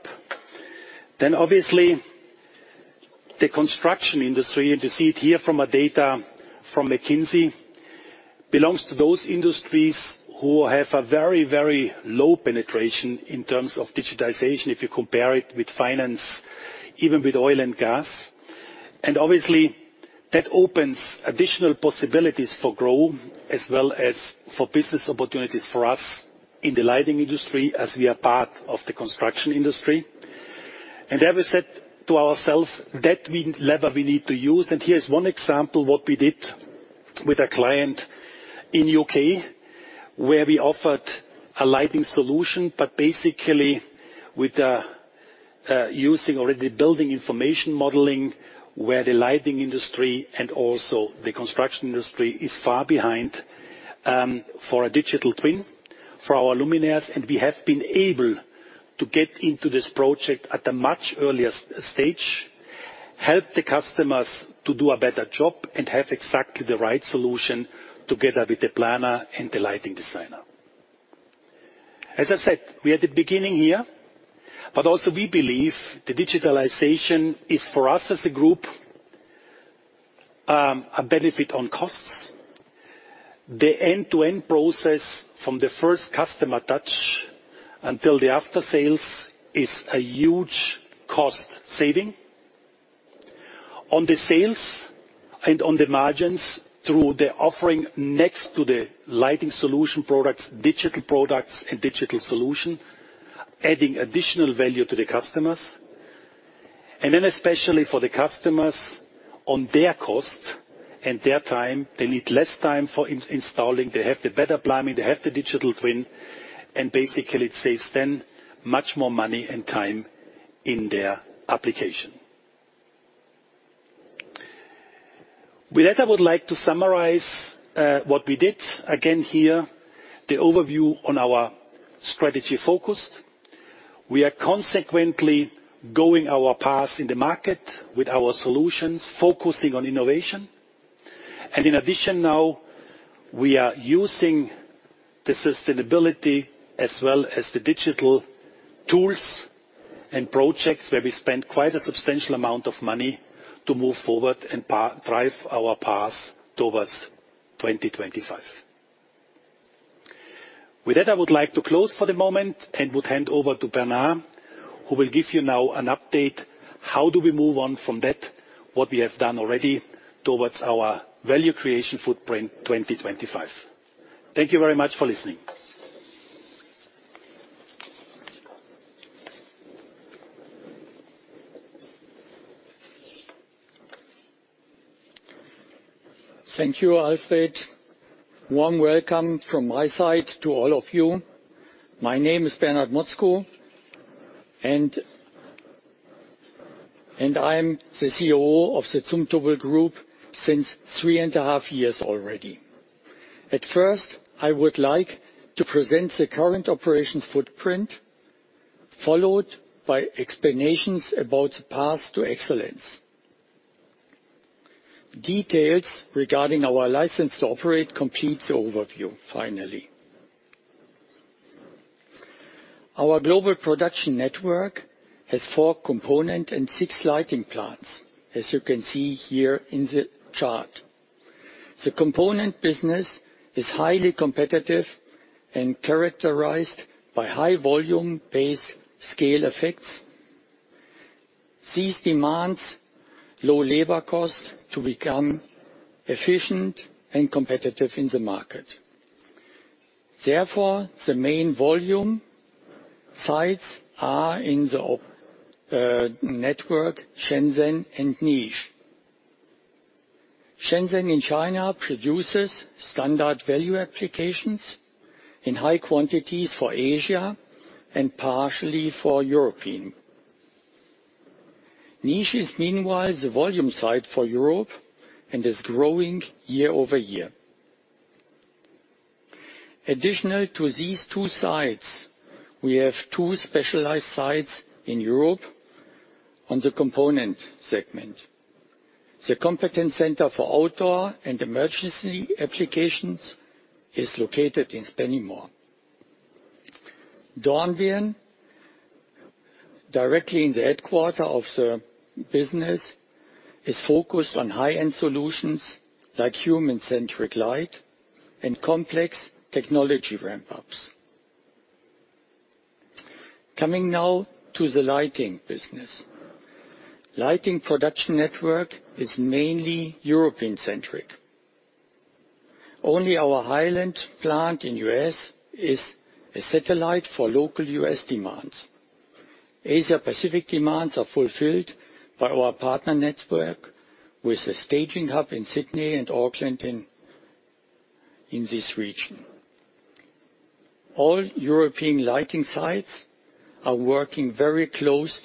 obviously the construction industry, and you see it here from a data from McKinsey, belongs to those industries who have a very low penetration in terms of digitization, if you compare it with finance, even with oil and gas. Obviously, that opens additional possibilities for growth as well as for business opportunities for us in the lighting industry as we are part of the construction industry. There we said to ourselves, that lever we need to use. Here is one example what we did with a client in U.K., where we offered a lighting solution, but basically with using already building information modeling, where the lighting industry and also the construction industry is far behind, for a digital twin for our luminaires, and we have been able to get into this project at a much earlier stage, help the customers to do a better job, and have exactly the right solution together with the planner and the lighting designer. As I said, we are at the beginning here, but also we believe the digitalization is, for us as a group, a benefit on costs. The end-to-end process from the first customer touch until the after-sales is a huge cost saving. On the sales and on the margins through the offering next to the lighting solution products, digital products and digital solution, adding additional value to the customers. Then especially for the customers on their cost and their time, they need less time for installing. They have the better planning, they have the digital twin, and basically it saves them much more money and time in their application. With that, I would like to summarize what we did. Again, here, the overview on our strategy FOCUS. We are consequently going our path in the market with our solutions, focusing on innovation. In addition now, we are using the sustainability as well as the digital tools and projects where we spend quite a substantial amount of money to move forward and drive our path towards 2025. With that, I would like to close for the moment and would hand over to Bernard, who will give you now an update, how do we move on from that, what we have done already towards our value creation footprint 2025. Thank you very much for listening. Thank you, Alfred. Warm welcome from my side to all of you. My name is Bernard Motzko, I'm the COO of the Zumtobel Group since three and a half years already. At first, I would like to present the current operations footprint, followed by explanations about the path to excellence. Details regarding our license to operate completes the overview, finally. Our global production network has four component and six lighting plants, as you can see here in the chart. The component business is highly competitive and characterized by high volume base scale effects. These demands low labor costs to become efficient and competitive in the market. The main volume sites are in the network, Shenzhen and Niš. Shenzhen in China produces standard value applications in high quantities for Asia and partially for Europe. Niš is meanwhile the volume site for Europe and is growing year-over-year. Additional to these two sites, we have two specialized sites in Europe on the component segment. The competence center for outdoor and emergency applications is located in Spennymoor. Dornbirn, directly in the headquarter of the business, is focused on high-end solutions like human-centric light and complex technology ramp-ups. Coming now to the lighting business. Lighting production network is mainly European-centric. Only our Highland plant in U.S. is a satellite for local U.S. demands. Asia Pacific demands are fulfilled by our partner network with a staging hub in Sydney and Auckland in this region. All European lighting sites are working very close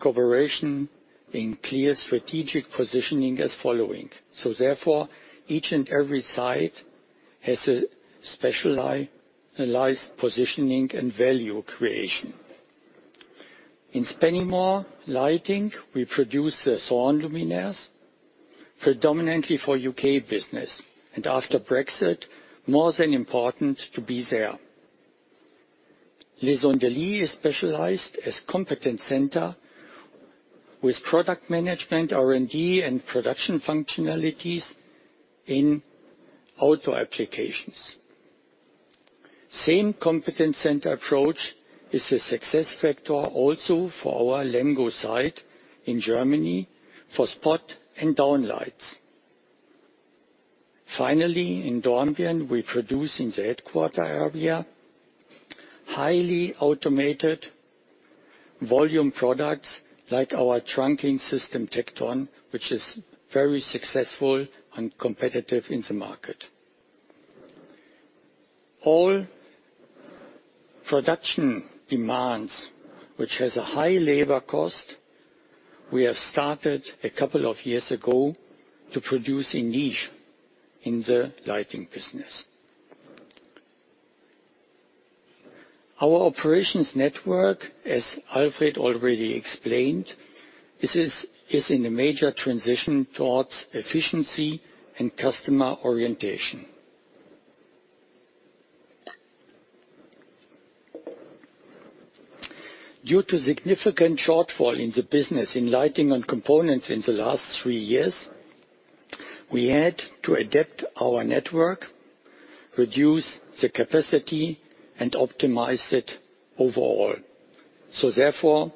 cooperation in clear strategic positioning as following. Therefore, each and every site has a specialized positioning and value creation. In Spennymoor lighting, we produce the solar luminaires predominantly for U.K. business, and after Brexit, more than important to be there. Les Andelys is specialized as competence center with product management, R&D, and production functionalities in outdoor applications. Same competence center approach is a success factor also for our Lemgo site in Germany for spot and downlights. Finally, in Dornbirn, we produce in the headquarter area, highly automated volume products like our trunking system, TECTON, which is very successful and competitive in the market. All production demands, which has a high labor cost, we have started a couple of years ago to produce in Niš in the lighting business. Our operations network, as Alfred already explained, is in a major transition towards efficiency and customer orientation. Due to significant shortfall in the business in lighting and components in the last three years. We had to adapt our network, reduce the capacity, and optimize it overall. Therefore,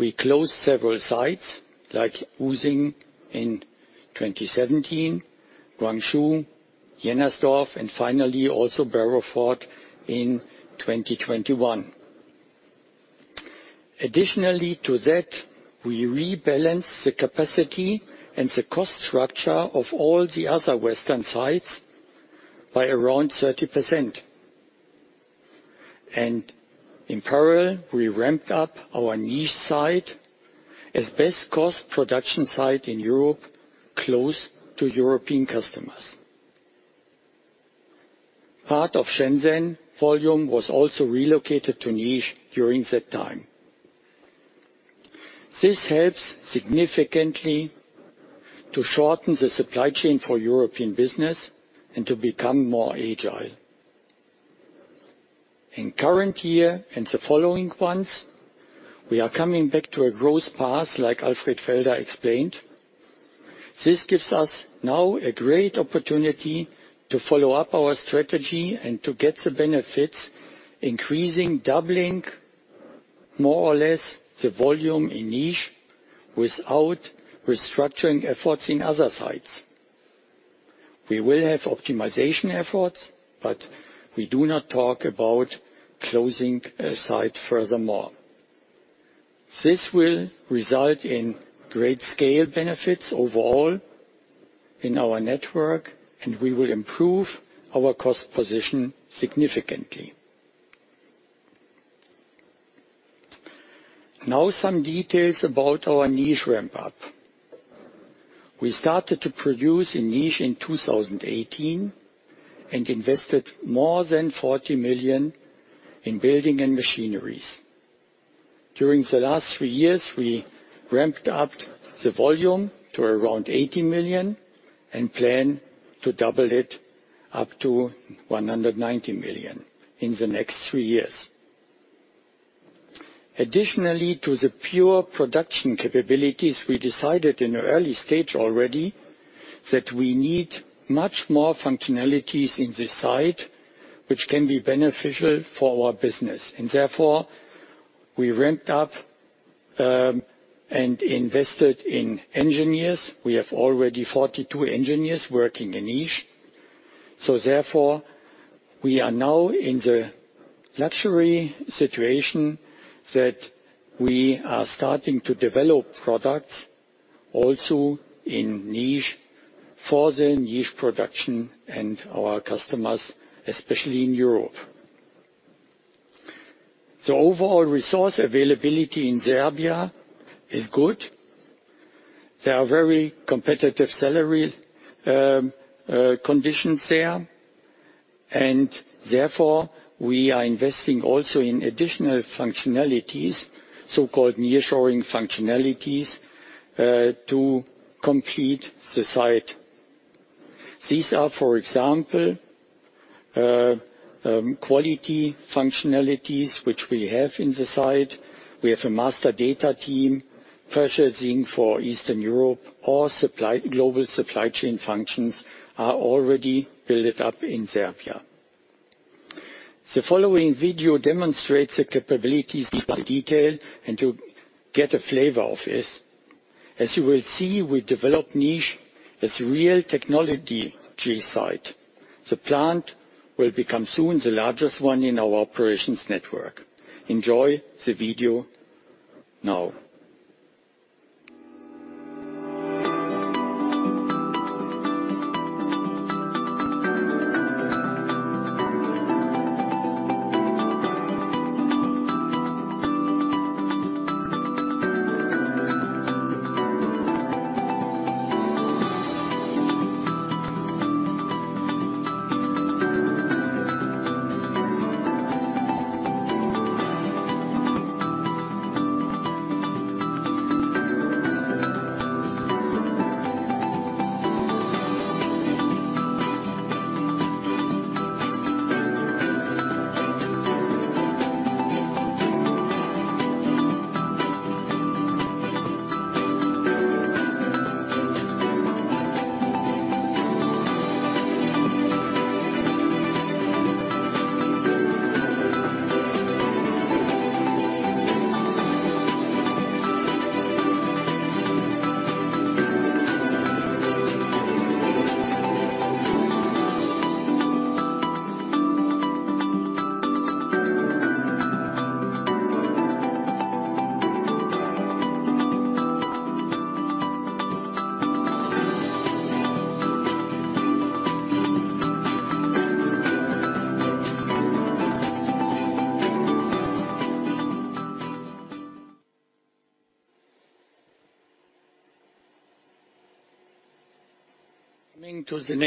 we closed several sites like Usingen in 2017, Guangzhou, Jennersdorf, and finally, also Barrowford in 2021. Additionally to that, we rebalanced the capacity and the cost structure of all the other Western sites by around 30%. In parallel, we ramped up our Niš site as best cost production site in Europe, close to European customers. Part of Shenzhen volume was also relocated to Niš during that time. This helps significantly to shorten the supply chain for European business and to become more agile. In current year and the following ones, we are coming back to a growth path like Alfred Felder explained. This gives us now a great opportunity to follow up our strategy and to get the benefits, increasing, doubling, more or less, the volume in Niš without restructuring efforts in other sites. We will have optimization efforts, but we do not talk about closing a site furthermore. This will result in great scale benefits overall in our network, and we will improve our cost position significantly. Now some details about our Niš ramp-up. We started to produce in Niš in 2018 and invested more than 40 million in building and machineries. During the last three years, we ramped up the volume to around 80 million and plan to double it up to 190 million in the next three years. Additionally to the pure production capabilities, we decided in the early stage already that we need much more functionalities in this site which can be beneficial for our business. Therefore, we ramped up, and invested in engineers. We have already 42 engineers working in Niš. Therefore, we are now in the luxury situation that we are starting to develop products also in Niš for the Niš production and our customers, especially in Europe. The overall resource availability in Serbia is good. There are very competitive salary conditions there, and therefore, we are investing also in additional functionalities, so-called nearshoring functionalities, to complete the site. These are, for example, quality functionalities which we have in the site. We have a master data team purchasing for Eastern Europe or global supply chain functions are already built up in Serbia. The following video demonstrates the capabilities in detail and to get a flavor of this. As you will see, we developed Niš as real technology site. The plant will become soon the largest one in our operations network. Enjoy the video now.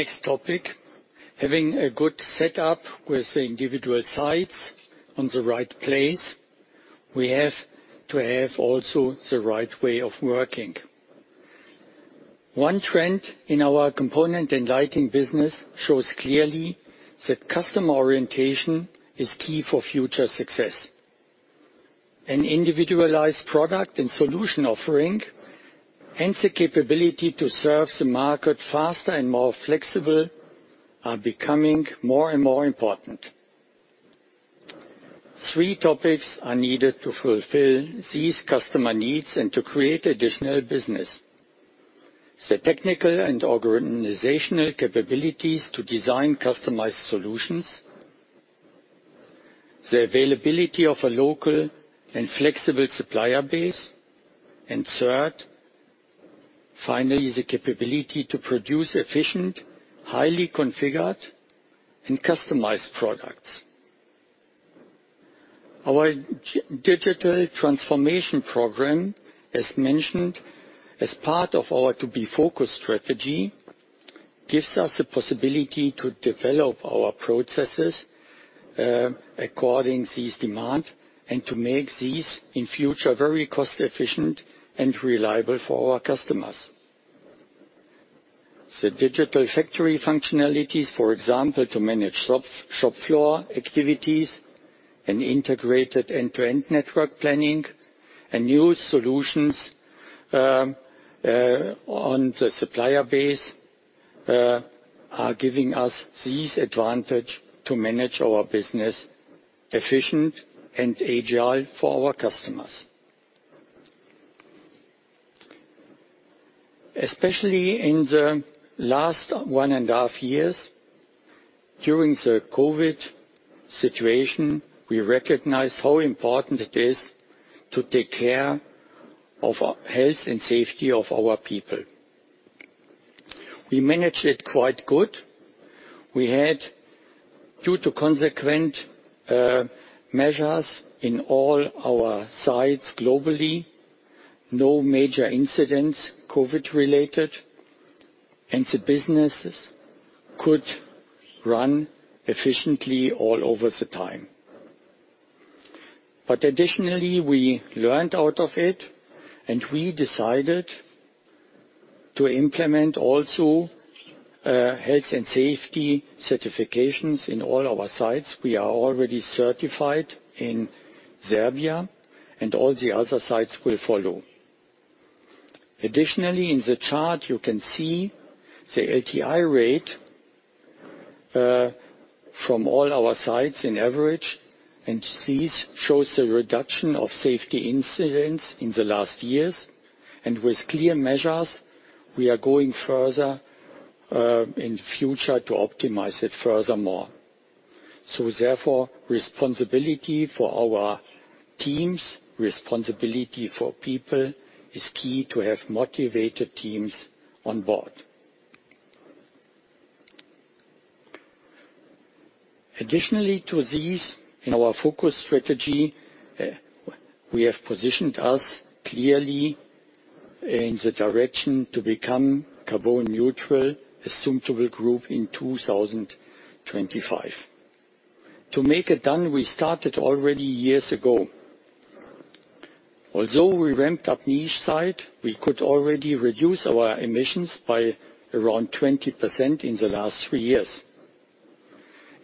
Coming to the next topic, having a good setup with the individual sites on the right place, we have to have also the right way of working. One trend in our Component and Lighting business shows clearly that customer orientation is key for future success. An individualized product and solution offering, and the capability to serve the market faster and more flexible are becoming more and more important. Three topics are needed to fulfill these customer needs and to create additional business. The technical and organizational capabilities to design customized solutions, the availability of a local and flexible supplier base, and third, finally, the capability to produce efficient, highly configured, and customized products. Our digital transformation program, as mentioned, as part of our To Be focused strategy, gives us the possibility to develop our processes according these demand, and to make these, in future, very cost efficient and reliable for our customers. The digital factory functionalities, for example, to manage shop floor activities and integrated end-to-end network planning and new solutions on the supplier base are giving us this advantage to manage our business efficient and agile for our customers. Especially in the last one and a half years, during the COVID situation, we recognized how important it is to take care of health and safety of our people. We managed it quite good. We had, due to consequent measures in all our sites globally, no major incidents, COVID-related, and the businesses could run efficiently all over the time. Additionally, we learned out of it, and we decided to implement also health and safety certifications in all our sites. We are already certified in Serbia, and all the other sites will follow. Additionally, in the chart you can see the LTI rate from all our sites in average, and this shows the reduction of safety incidents in the last three years. With clear measures, we are going further in future to optimize it furthermore. Therefore, responsibility for our teams, responsibility for people is key to have motivated teams on board. Additionally to these, in our FOCUS strategy, we have positioned us clearly in the direction to become carbon neutral as Zumtobel Group in 2025. To make it done, we started already years ago. Although we ramped up Niš site, we could already reduce our emissions by around 20% in the last three years.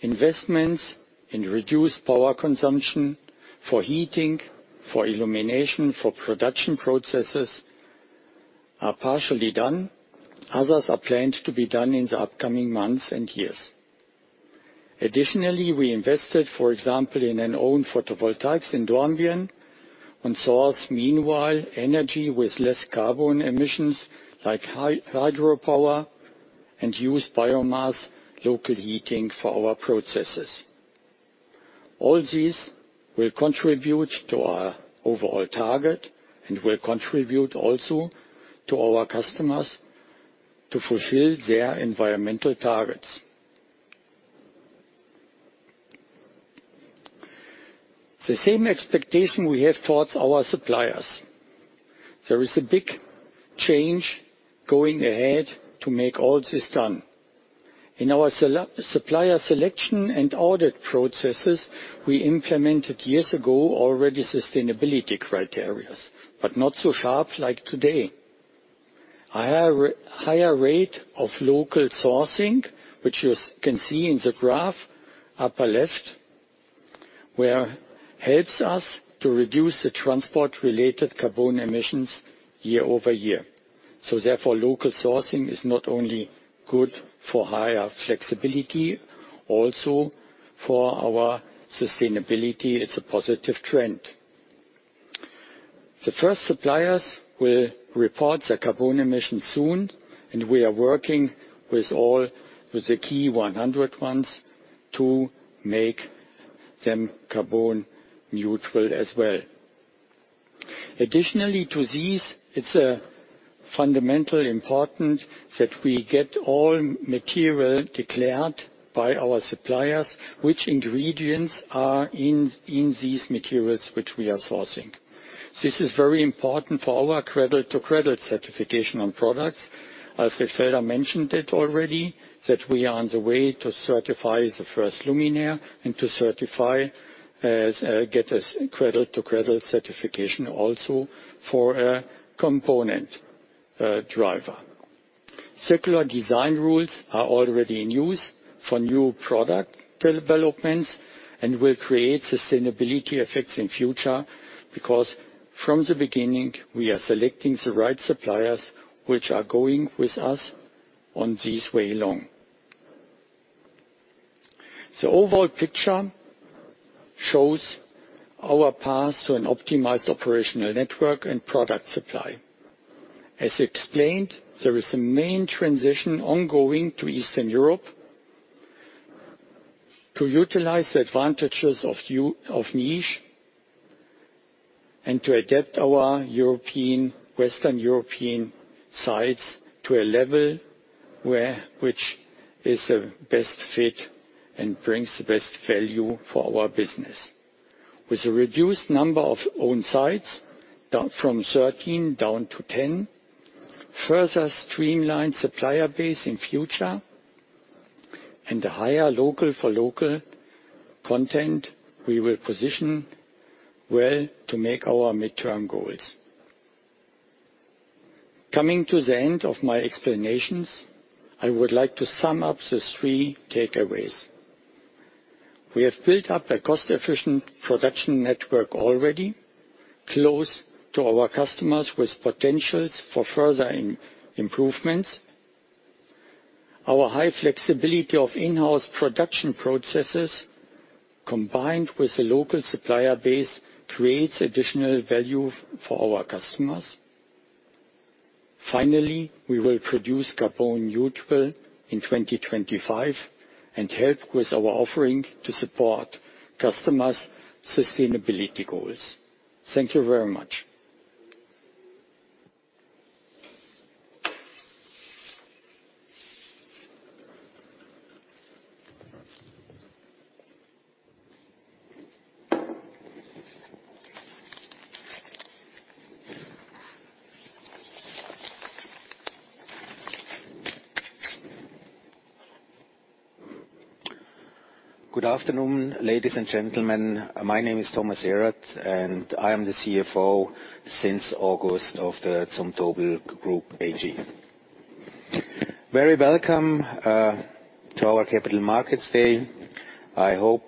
Investments in reduced power consumption for heating, for illumination, for production processes are partially done. Others are planned to be done in the upcoming months and years. Additionally, we invested, for example, in an own photovoltaics in Dornbirn and source, meanwhile, energy with less carbon emissions, like hydropower and use biomass local heating for our processes. All these will contribute to our overall target and will contribute also to our customers to fulfill their environmental targets. The same expectation we have towards our suppliers. There is a big change going ahead to make all this done. In our supplier selection and audit processes, we implemented years ago already sustainability criteria, but not so sharp like today. A higher rate of local sourcing, which you can see in the graph, upper left, where helps us to reduce the transport-related carbon emissions year-over-year. Local sourcing is not only good for higher flexibility, also for our sustainability, it's a positive trend. The first suppliers will report their carbon emissions soon. We are working with the key 100 ones to make them carbon neutral as well. Additionally to these, it's fundamentally important that we get all material declared by our suppliers, which ingredients are in these materials which we are sourcing. This is very important for our cradle-to-cradle certification on products. Alfred Felder mentioned it already, that we are on the way to certify the first luminaire and to get a cradle-to-cradle certification also for a component driver. Circular design rules are already in use for new product developments and will create sustainability effects in future, because from the beginning, we are selecting the right suppliers which are going with us on this way along. The overall picture shows our path to an optimized operational network and product supply. As explained, there is a main transition ongoing to Eastern Europe to utilize the advantages of Niš, and to adapt our Western European sites to a level which is the best fit and brings the best value for our business. With a reduced number of owned sites, from 13 down to 10, further streamlined supplier base in future, and a higher local for local content, we will position well to make our mid-term goals. Coming to the end of my explanations, I would like to sum up the three takeaways. We have built up a cost-efficient production network already, close to our customers, with potentials for further improvements. Our high flexibility of in-house production processes, combined with a local supplier base, creates additional value for our customers. Finally, we will produce carbon neutral in 2025 and help with our offering to support customers' sustainability goals. Thank you very much. Good afternoon, ladies and gentlemen. My name is Thomas Erath, I am the CFO since August of the Zumtobel Group AG. Very welcome to our Capital Markets Day. I hope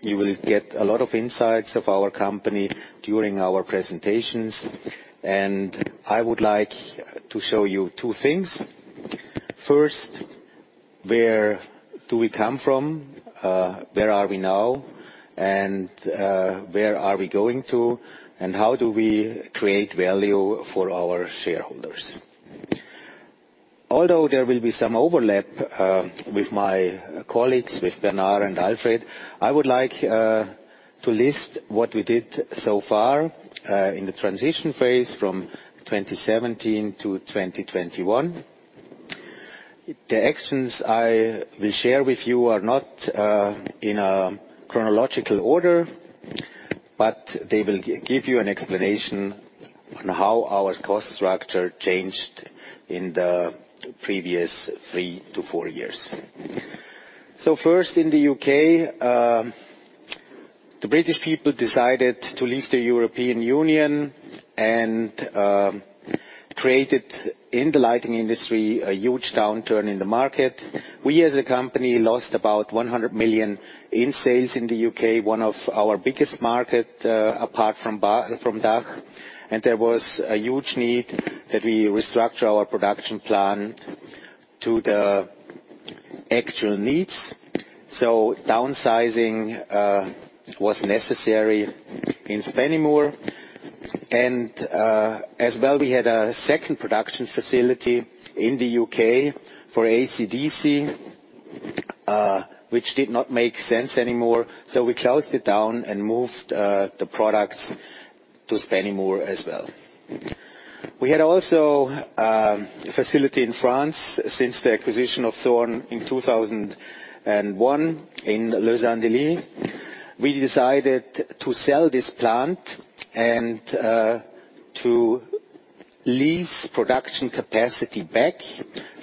you will get a lot of insights of our company during our presentations. I would like to show you two things. First, where do we come from? Where are we now? Where are we going to? How do we create value for our shareholders? Although there will be some overlap with my colleagues, with Bernard and Alfred, I would like to list what we did so far in the transition phase from 2017-2021. The actions I will share with you are not in chronological order, but they will give you an explanation on how our cost structure changed in the previous three to four years. First, in the U.K., the British people decided to leave the European Union and created, in the lighting industry, a huge downturn in the market. We as a company lost about 100 million in sales in the U.K., one of our biggest market apart from DACH. There was a huge need that we restructure our production plan to the actual needs. Downsizing was necessary in Spennymoor. As well, we had a second production facility in the U.K. for acdc, which did not make sense anymore. We closed it down and moved the products to Spennymoor as well. We had also a facility in France since the acquisition of Thorn in 2001 in Les Andelys. We decided to sell this plant and to lease production capacity back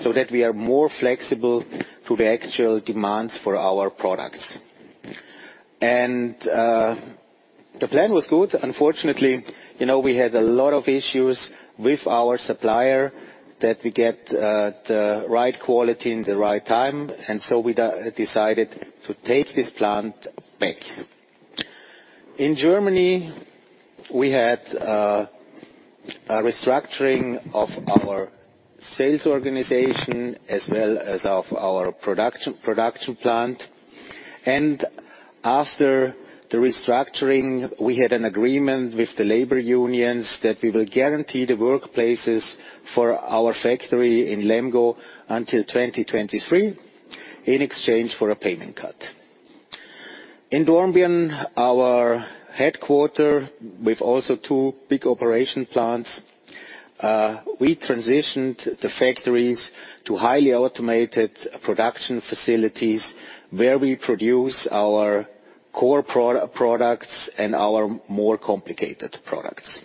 so that we are more flexible to the actual demands for our products. The plan was good. Unfortunately, we had a lot of issues with our supplier that we get the right quality in the right time. We decided to take this plant back. In Germany, we had a restructuring of our sales organization as well as of our production plant. After the restructuring, we had an agreement with the labor unions that we will guarantee the workplaces for our factory in Lemgo until 2023 in exchange for a payment cut. In Dornbirn, our headquarter, with also two big operation plants, we transitioned the factories to highly automated production facilities where we produce our core products and our more complicated products.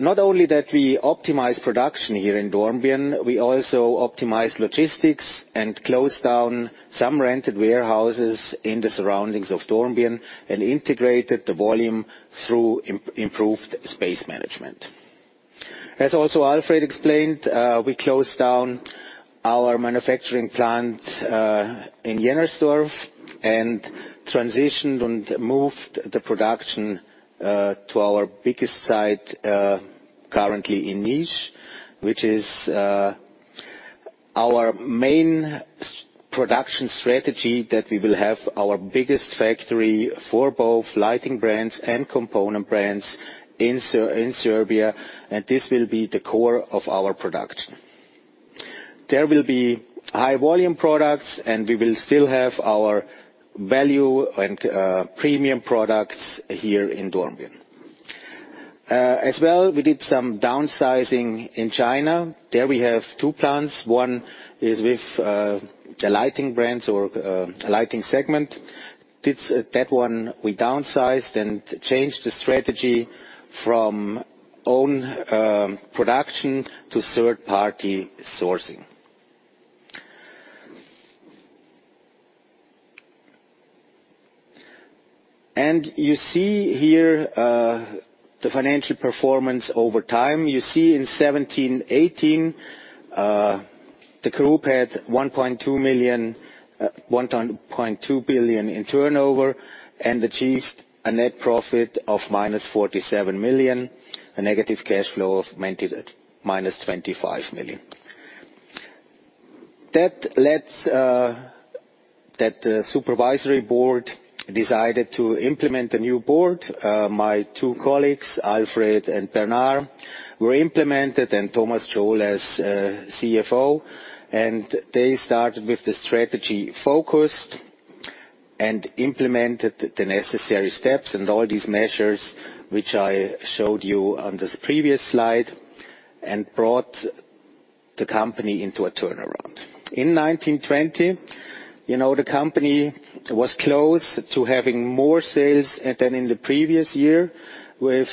Not only that we optimize production here in Dornbirn, we also optimize logistics and close down some rented warehouses in the surroundings of Dornbirn and integrated the volume through improved space management. As also Alfred explained, we closed down our manufacturing plant in Jennersdorf and transitioned and moved the production to our biggest site currently in Niš, which is our main production strategy, that we will have our biggest factory for both lighting brands and component brands in Serbia, and this will be the core of our production. There will be high volume products, and we will still have our value and premium products here in Dornbirn. As well, we did some downsizing in China. There we have two plants. One is with the lighting brands or lighting segment. That one we downsized and changed the strategy from own production to third-party sourcing. You see here the financial performance over time. You see in 2017, 2018, the group had 1.2 billion in turnover and achieved a net profit of -47 million, a negative cash flow of -25 million. That supervisory board decided to implement a new board. My two colleagues, Alfred and Bernard, were implemented, and Thomas Tschol as CFO, and they started with the strategy FOCUS and implemented the necessary steps and all these measures, which I showed you on this previous slide, and brought the company into a turnaround. In 2019, 2020, the company was close to having more sales than in the previous year with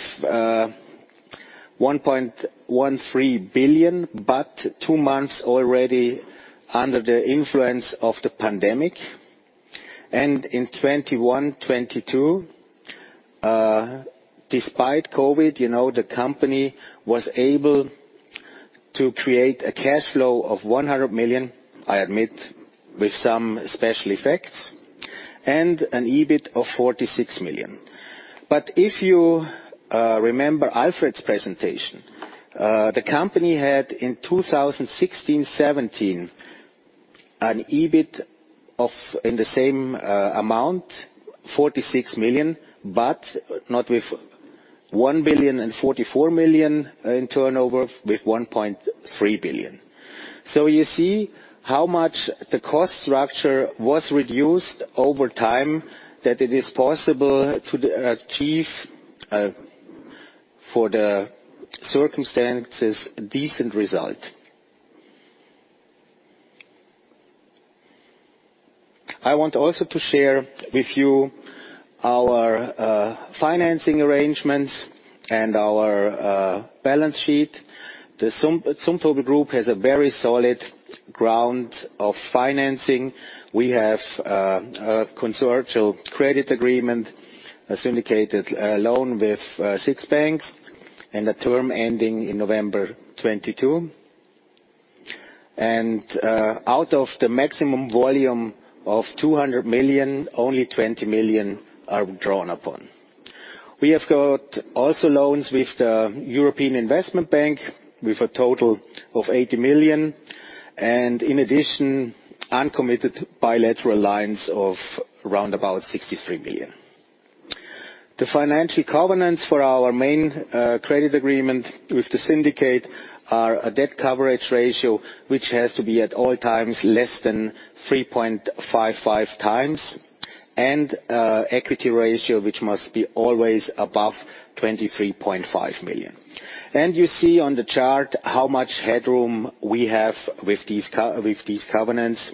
1.13 billion, but two months already under the influence of the pandemic. In 2021, 2022, despite COVID, the company was able to create a cash flow of 100 million, I admit, with some special effects, and an EBIT of 46 million. If you remember Alfred's presentation, the company had in 2016-2017, an EBIT in the same amount, 46 million, not with 1.044 billion in turnover, with 1.3 billion. You see how much the cost structure was reduced over time that it is possible to achieve, for the circumstances, a decent result. I want also to share with you our financing arrangements and our balance sheet. The Zumtobel Group has a very solid ground of financing. We have a consortial credit agreement, a syndicated loan with six banks, and a term ending in November 2022. Out of the maximum volume of 200 million, only 20 million are drawn upon. We have got also loans with the European Investment Bank with a total of 80 million, and in addition, uncommitted bilateral lines of round about 63 million. The financial covenants for our main credit agreement with the syndicate are a debt coverage ratio, which has to be at all times less than 3.55x, and equity ratio, which must be always above 23.5 million. You see on the chart how much headroom we have with these covenants.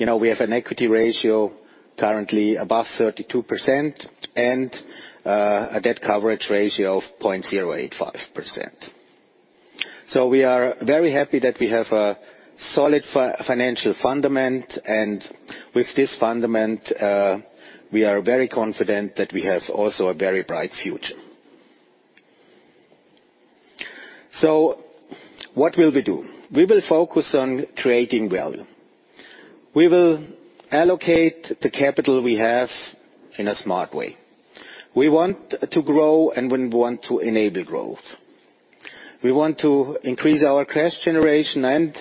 We have an equity ratio currently above 32%, and a debt coverage ratio of 0.085%. We are very happy that we have a solid financial fundament, and with this fundament, we are very confident that we have also a very bright future. What will we do? We will focus on creating value. We will allocate the capital we have in a smart way. We want to grow and we want to enable growth. We want to increase our cash generation, and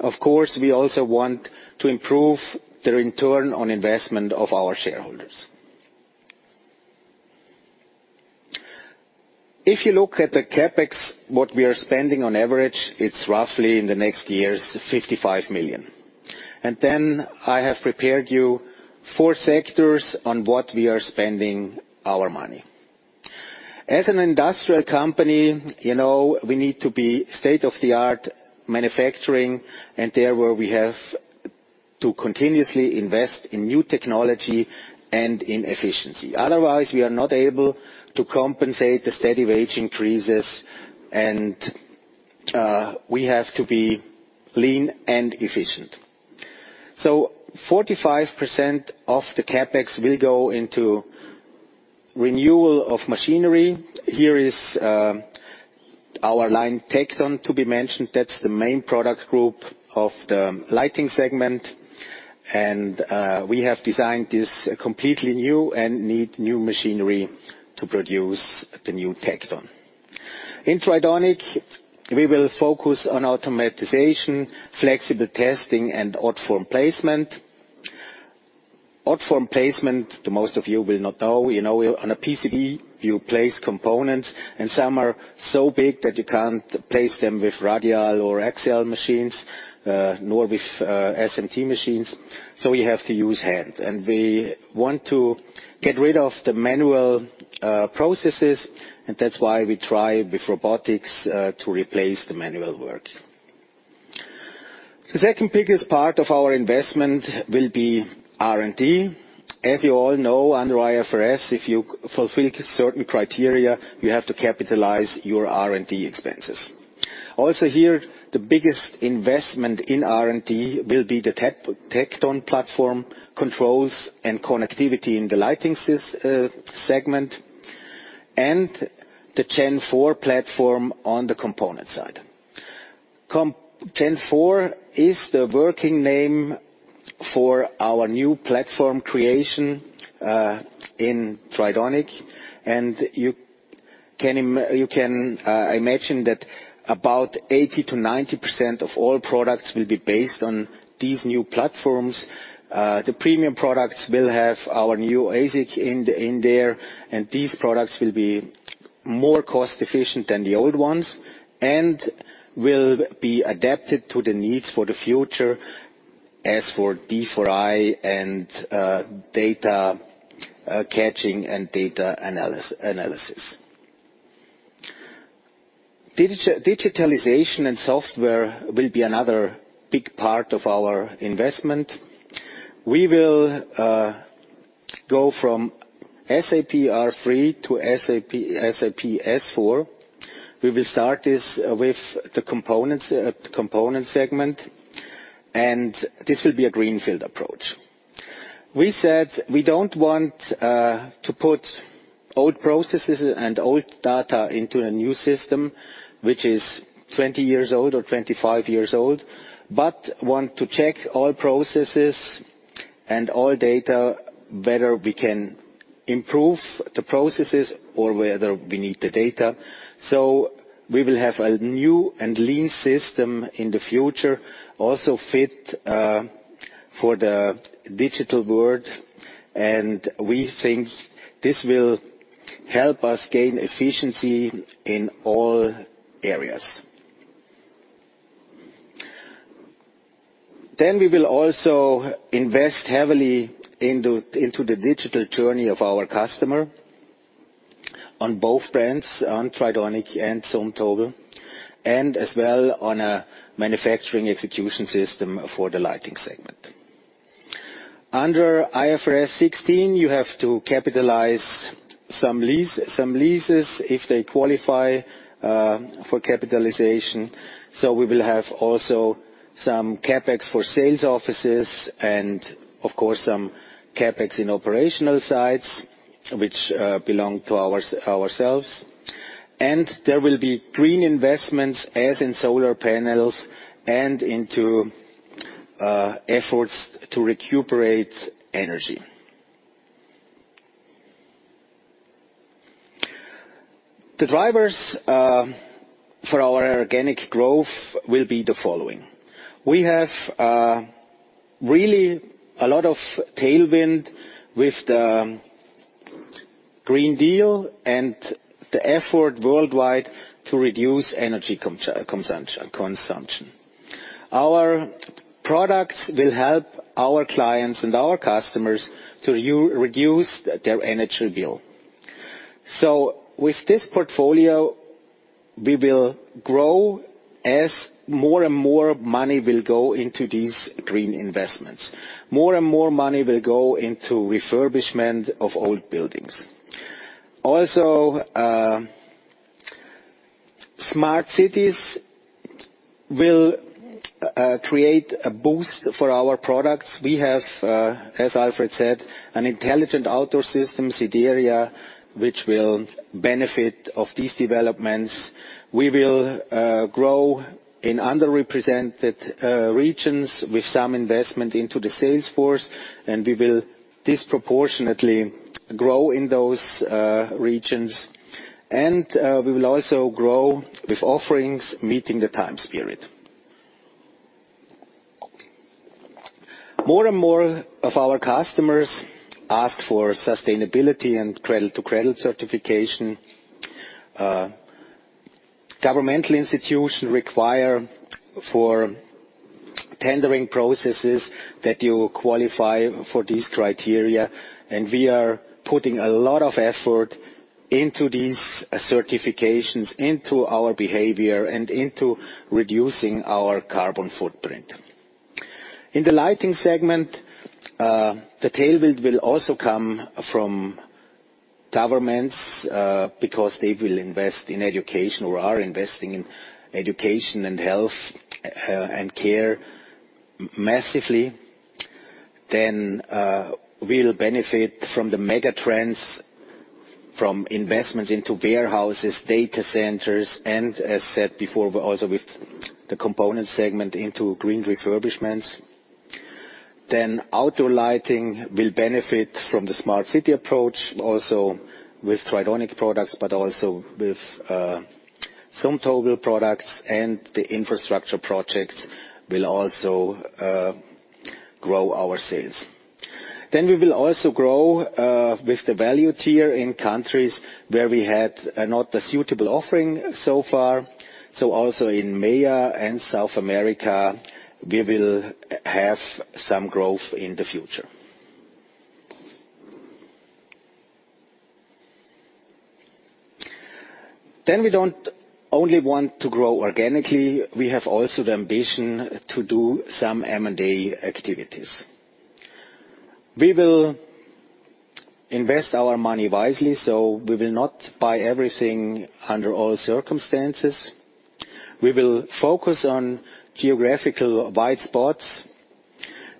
of course, we also want to improve the return on investment of our shareholders. If you look at the CapEx, what we are spending on average, it's roughly in the next years, 55 million. I have prepared you four sectors on what we are spending our money. As an industrial company, we need to be state-of-the-art manufacturing, and there where we have to continuously invest in new technology and in efficiency. Otherwise, we are not able to compensate the steady wage increases, and we have to be lean and efficient. 45% of the CapEx will go into renewal of machinery. Here is our line, TECTON, to be mentioned. That's the main product group of the lighting segment. We have designed this completely new and need new machinery to produce the new TECTON. In Tridonic, we will focus on automatization, flexible testing, and odd form placement. Odd form placement, most of you will not know. On a PCB, you place components, and some are so big that you can't place them with radial or axial machines, nor with SMT machines. We have to use hand. We want to get rid of the manual processes, and that's why we try with robotics to replace the manual work. The second-biggest part of our investment will be R&D. As you all know, under IFRS, if you fulfill certain criteria, you have to capitalize your R&D expenses. Also here, the biggest investment in R&D will be the TECTON platform controls and connectivity in the lighting segment, and the GEN4 platform on the component side. GEN4 is the working name for our new platform creation in Tridonic. You can imagine that about 80%-90% of all products will be based on these new platforms. The premium products will have our new ASIC in there, and these products will be more cost-efficient than the old ones and will be adapted to the needs for the future as for D4i and data caching and data analysis. Digitalization and software will be another big part of our investment. We will go from SAP R/3 to SAP S/4. We will start this with the component segment, and this will be a greenfield approach. We said we don't want to put old processes and old data into a new system, which is 20 years old or 25 years old, but want to check all processes and all data, whether we can improve the processes or whether we need the data. We will have a new and lean system in the future, also fit for the digital world. We think this will help us gain efficiency in all areas. We will also invest heavily into the digital journey of our customer on both brands, on Tridonic and Zumtobel, and as well on a manufacturing execution system for the lighting segment. Under IFRS 16, you have to capitalize some leases if they qualify for capitalization. We will have also some CapEx for sales offices and, of course, some CapEx in operational sites which belong to ourselves. There will be green investments, as in solar panels and into efforts to recuperate energy. The drivers for our organic growth will be the following. We have really a lot of tailwind with the Green Deal and the effort worldwide to reduce energy consumption. Our products will help our clients and our customers to reduce their energy bill. With this portfolio, we will grow as more and more money will go into these green investments. More and more money will go into refurbishment of old buildings. Smart cities will create a boost for our products. We have, as Alfred said, an intelligent outdoor system, SIDEREA, which will benefit of these developments. We will grow in underrepresented regions with some investment into the sales force, and we will disproportionately grow in those regions. We will also grow with offerings meeting the time spirit. More and more of our customers ask for sustainability and cradle-to-cradle certification. Governmental institutions require for tendering processes that you qualify for these criteria, and we are putting a lot of effort into these certifications, into our behavior, and into reducing our carbon footprint. In the lighting segment, the tailwind will also come from Governments, because they will invest in education or are investing in education and health and care massively. We'll benefit from the mega trends, from investment into warehouses, data centers, and as said before, but also with the component segment into green refurbishments. Outdoor lighting will benefit from the smart city approach, also with Tridonic products, but also with some Zumtobel products, and the infrastructure projects will also grow our sales. We will also grow with the value tier in countries where we had not a suitable offering so far. Also in MEA and South America, we will have some growth in the future. We don't only want to grow organically, we have also the ambition to do some M&A activities. We will invest our money wisely, we will not buy everything under all circumstances. We will focus on geographical wide spots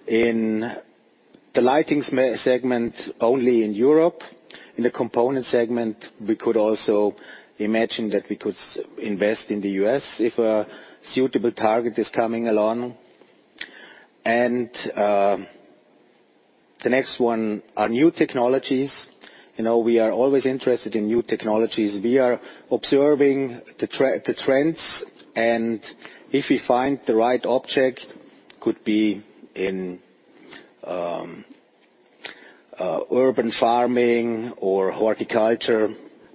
in the lighting segment only in Europe. In the component segment, we could also imagine that we could invest in the U.S. if a suitable target is coming along. The next one are new technologies. We are always interested in new technologies. We are observing the trends, and if we find the right object, could be in urban farming or horticulture,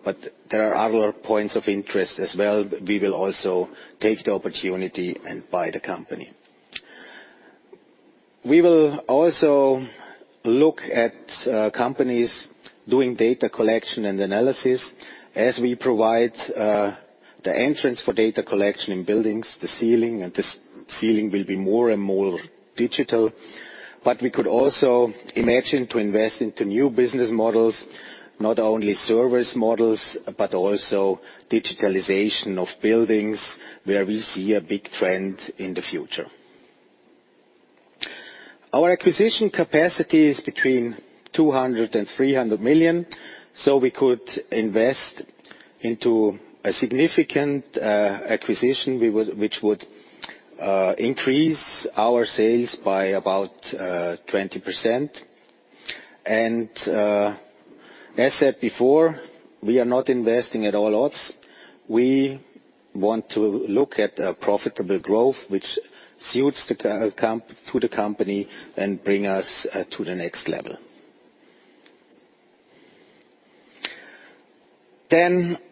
but there are other points of interest as well. We will also take the opportunity and buy the company. We will also look at companies doing data collection and analysis as we provide the entrance for data collection in buildings, the ceiling, and the ceiling will be more and more digital. We could also imagine to invest into new business models, not only service models, but also digitalization of buildings, where we see a big trend in the future. Our acquisition capacity is between 200 million and 300 million. We could invest into a significant acquisition, which would increase our sales by about 20%. As said before, we are not investing at all odds. We want to look at a profitable growth which suits to the company and bring us to the next level.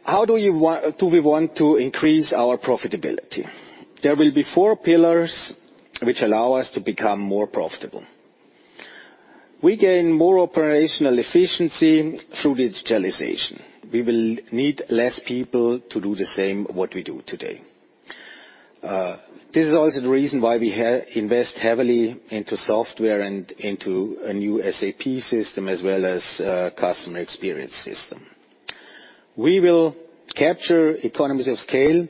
How do we want to increase our profitability? There will be four pillars which allow us to become more profitable. We gain more operational efficiency through digitalization. We will need less people to do the same what we do today. This is also the reason why we invest heavily into software and into a new SAP system, as well as a customer experience system. We will capture economies of scale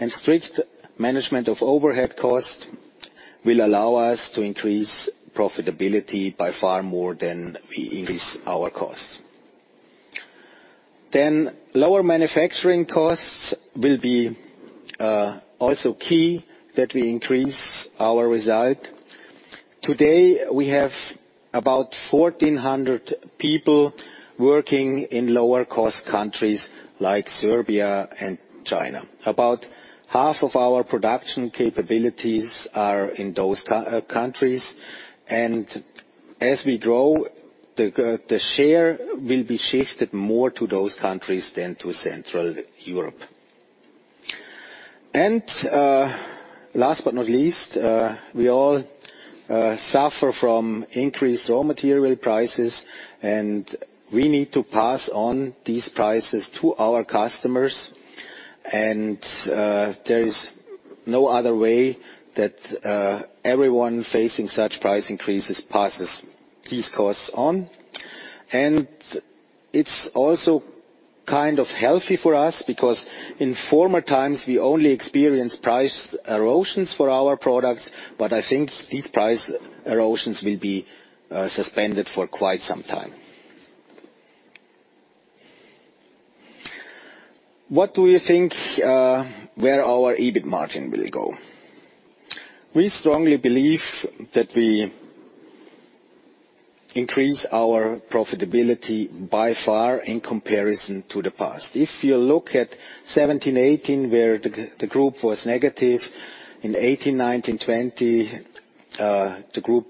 and strict management of overhead costs will allow us to increase profitability by far more than we increase our costs. Lower manufacturing costs will be also key that we increase our result. Today, we have about 1,400 people working in lower cost countries like Serbia and China. About half of our production capabilities are in those countries, and as we grow, the share will be shifted more to those countries than to Central Europe. Last but not least, we all suffer from increased raw material prices, and we need to pass on these prices to our customers. There is no other way that everyone facing such price increases passes these costs on. It's also kind of healthy for us because in former times, we only experienced price erosions for our products, but I think these price erosions will be suspended for quite some time. What do we think where our EBIT margin will go? We strongly believe that we increase our profitability by far in comparison to the past. If you look at 2017, 2018, where the group was negative, in 2018, 2019, 2020, the group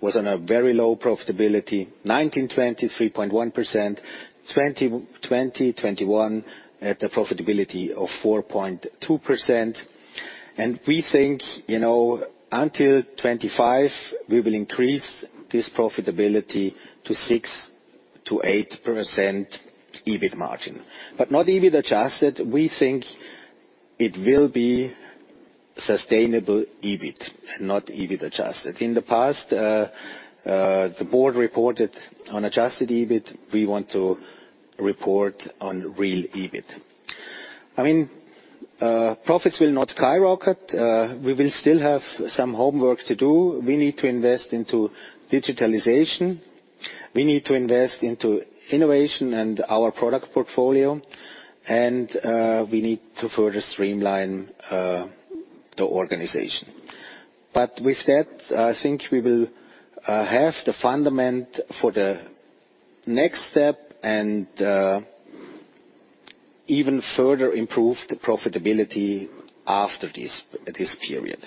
was on a very low profitability. 2019, 2020, 3.1%. 2020, 2021, at a profitability of 4.2%. We think, until 2025, we will increase this profitability to 6%-8% EBIT margin. Not EBIT adjusted, we think it will be sustainable EBIT, not EBIT adjusted. In the past, the board reported on adjusted EBIT. We want to report on real EBIT. Profits will not skyrocket. We will still have some homework to do. We need to invest into digitalization. We need to invest into innovation and our product portfolio. We need to further streamline the organization. With that, I think we will have the fundament for the next step and even further improve the profitability after this period.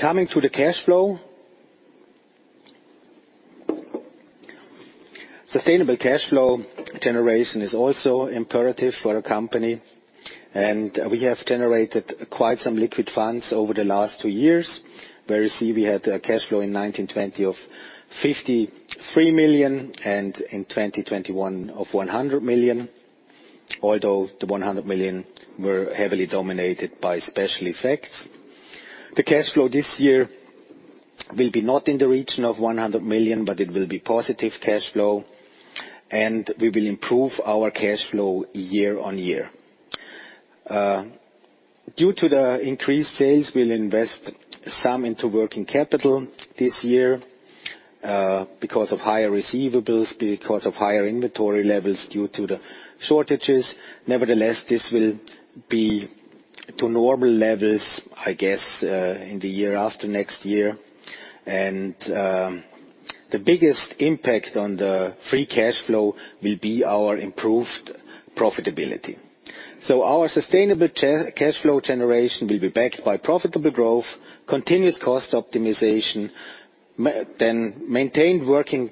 Coming to the cash flow. Sustainable cash flow generation is also imperative for a company, and we have generated quite some liquid funds over the last two years. Where you see we had a cash flow in 1920 of 53 million, and in 2021 of 100 million. Although the 100 million were heavily dominated by special effects. The cash flow this year will be not in the region of 100 million, but it will be positive cash flow. We will improve our cash flow year-on-year. Due to the increased sales, we'll invest some into working capital this year because of higher receivables, because of higher inventory levels due to the shortages. Nevertheless, this will be to normal levels, I guess, in the year after next year. The biggest impact on the free cash flow will be our improved profitability. Our sustainable cash flow generation will be backed by profitable growth, continuous cost optimization, then maintained working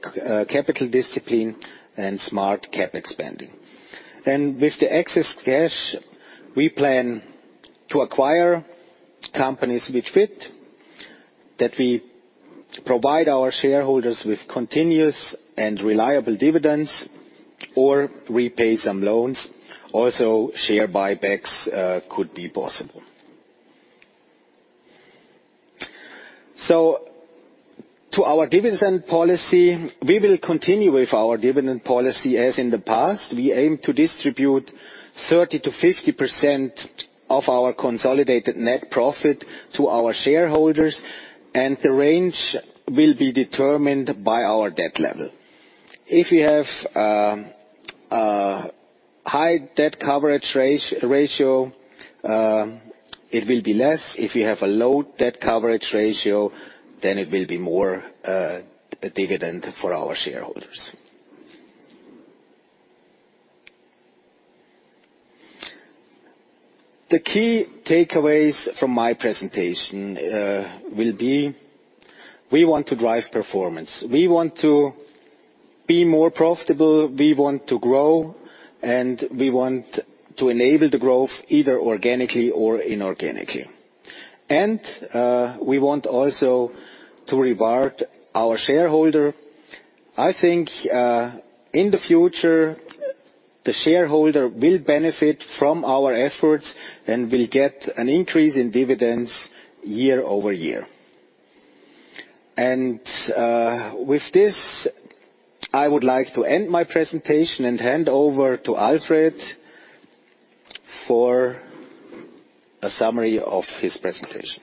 capital discipline and smart CapEx. With the excess cash, we plan to acquire companies which fit, that we provide our shareholders with continuous and reliable dividends or repay some loans. Also, share buybacks could be possible. To our dividend policy, we will continue with our dividend policy as in the past. We aim to distribute 30%-50% of our consolidated net profit to our shareholders, and the range will be determined by our debt level. If we have a high debt coverage ratio, it will be less. If we have a low debt coverage ratio, it will be more a dividend for our shareholders. The key takeaways from my presentation will be, we want to drive performance. We want to be more profitable, we want to grow. We want to enable the growth either organically or inorganically. We want also to reward our shareholder. I think, in the future, the shareholder will benefit from our efforts and will get an increase in dividends year over year. With this, I would like to end my presentation and hand over to Alfred for a summary of his presentation.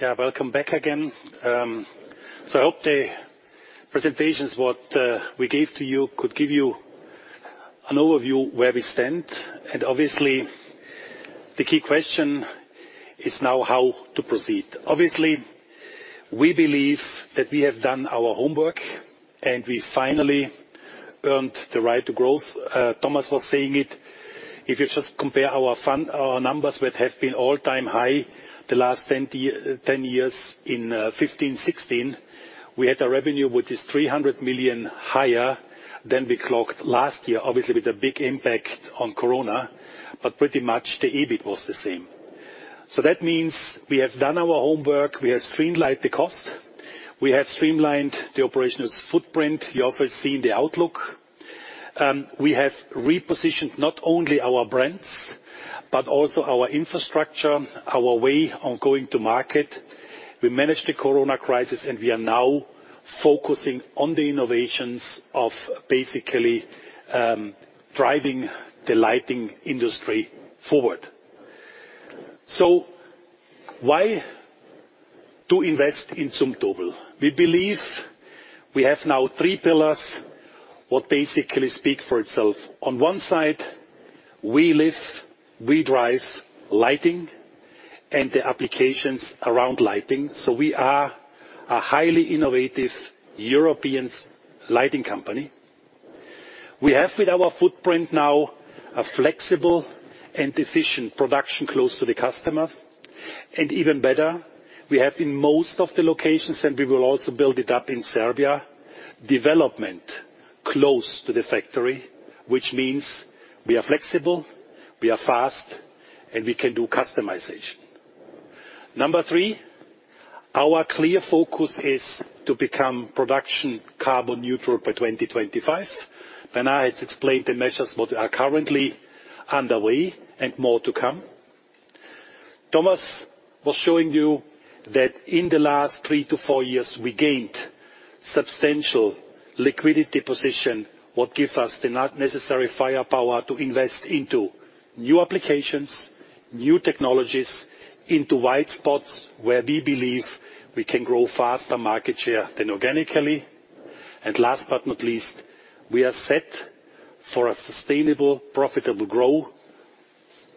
Yeah. Welcome back again. I hope the presentations, what we gave to you could give you an overview of where we stand. Obviously, the key question is now how to proceed. Obviously, we believe that we have done our homework and we finally earned the right to growth. Thomas was saying it, if you just compare our fund, our numbers, which have been all-time high the last 10 years. In 2015-2016, we had a revenue which is 300 million higher than we clocked last year, obviously, with a big impact on COVID, but pretty much the EBIT was the same. That means we have done our homework, we have streamlined the cost, we have streamlined the operational footprint. You have seen the outlook. We have repositioned not only our brands, but also our infrastructure, our way on going to market. We managed the corona crisis, and we are now focusing on the innovations of basically driving the lighting industry forward. Why to invest in Zumtobel? We believe we have now three pillars, what basically speak for itself. On one side, we live, we drive lighting and the applications around lighting. We are a highly innovative European lighting company. We have with our footprint now a flexible and efficient production close to the customers. Even better, we have in most of the locations, and we will also build it up in Serbia Development close to the factory, which means we are flexible, we are fast, and we can do customization. Number three, our clear focus is to become production carbon neutral by 2025. Bernard has explained the measures what are currently underway and more to come. Thomas was showing you that in the last three to four years, we gained substantial liquidity position, what give us the necessary firepower to invest into new applications, new technologies, into wide spots where we believe we can grow faster market share than organically. Last but not least, we are set for a sustainable, profitable growth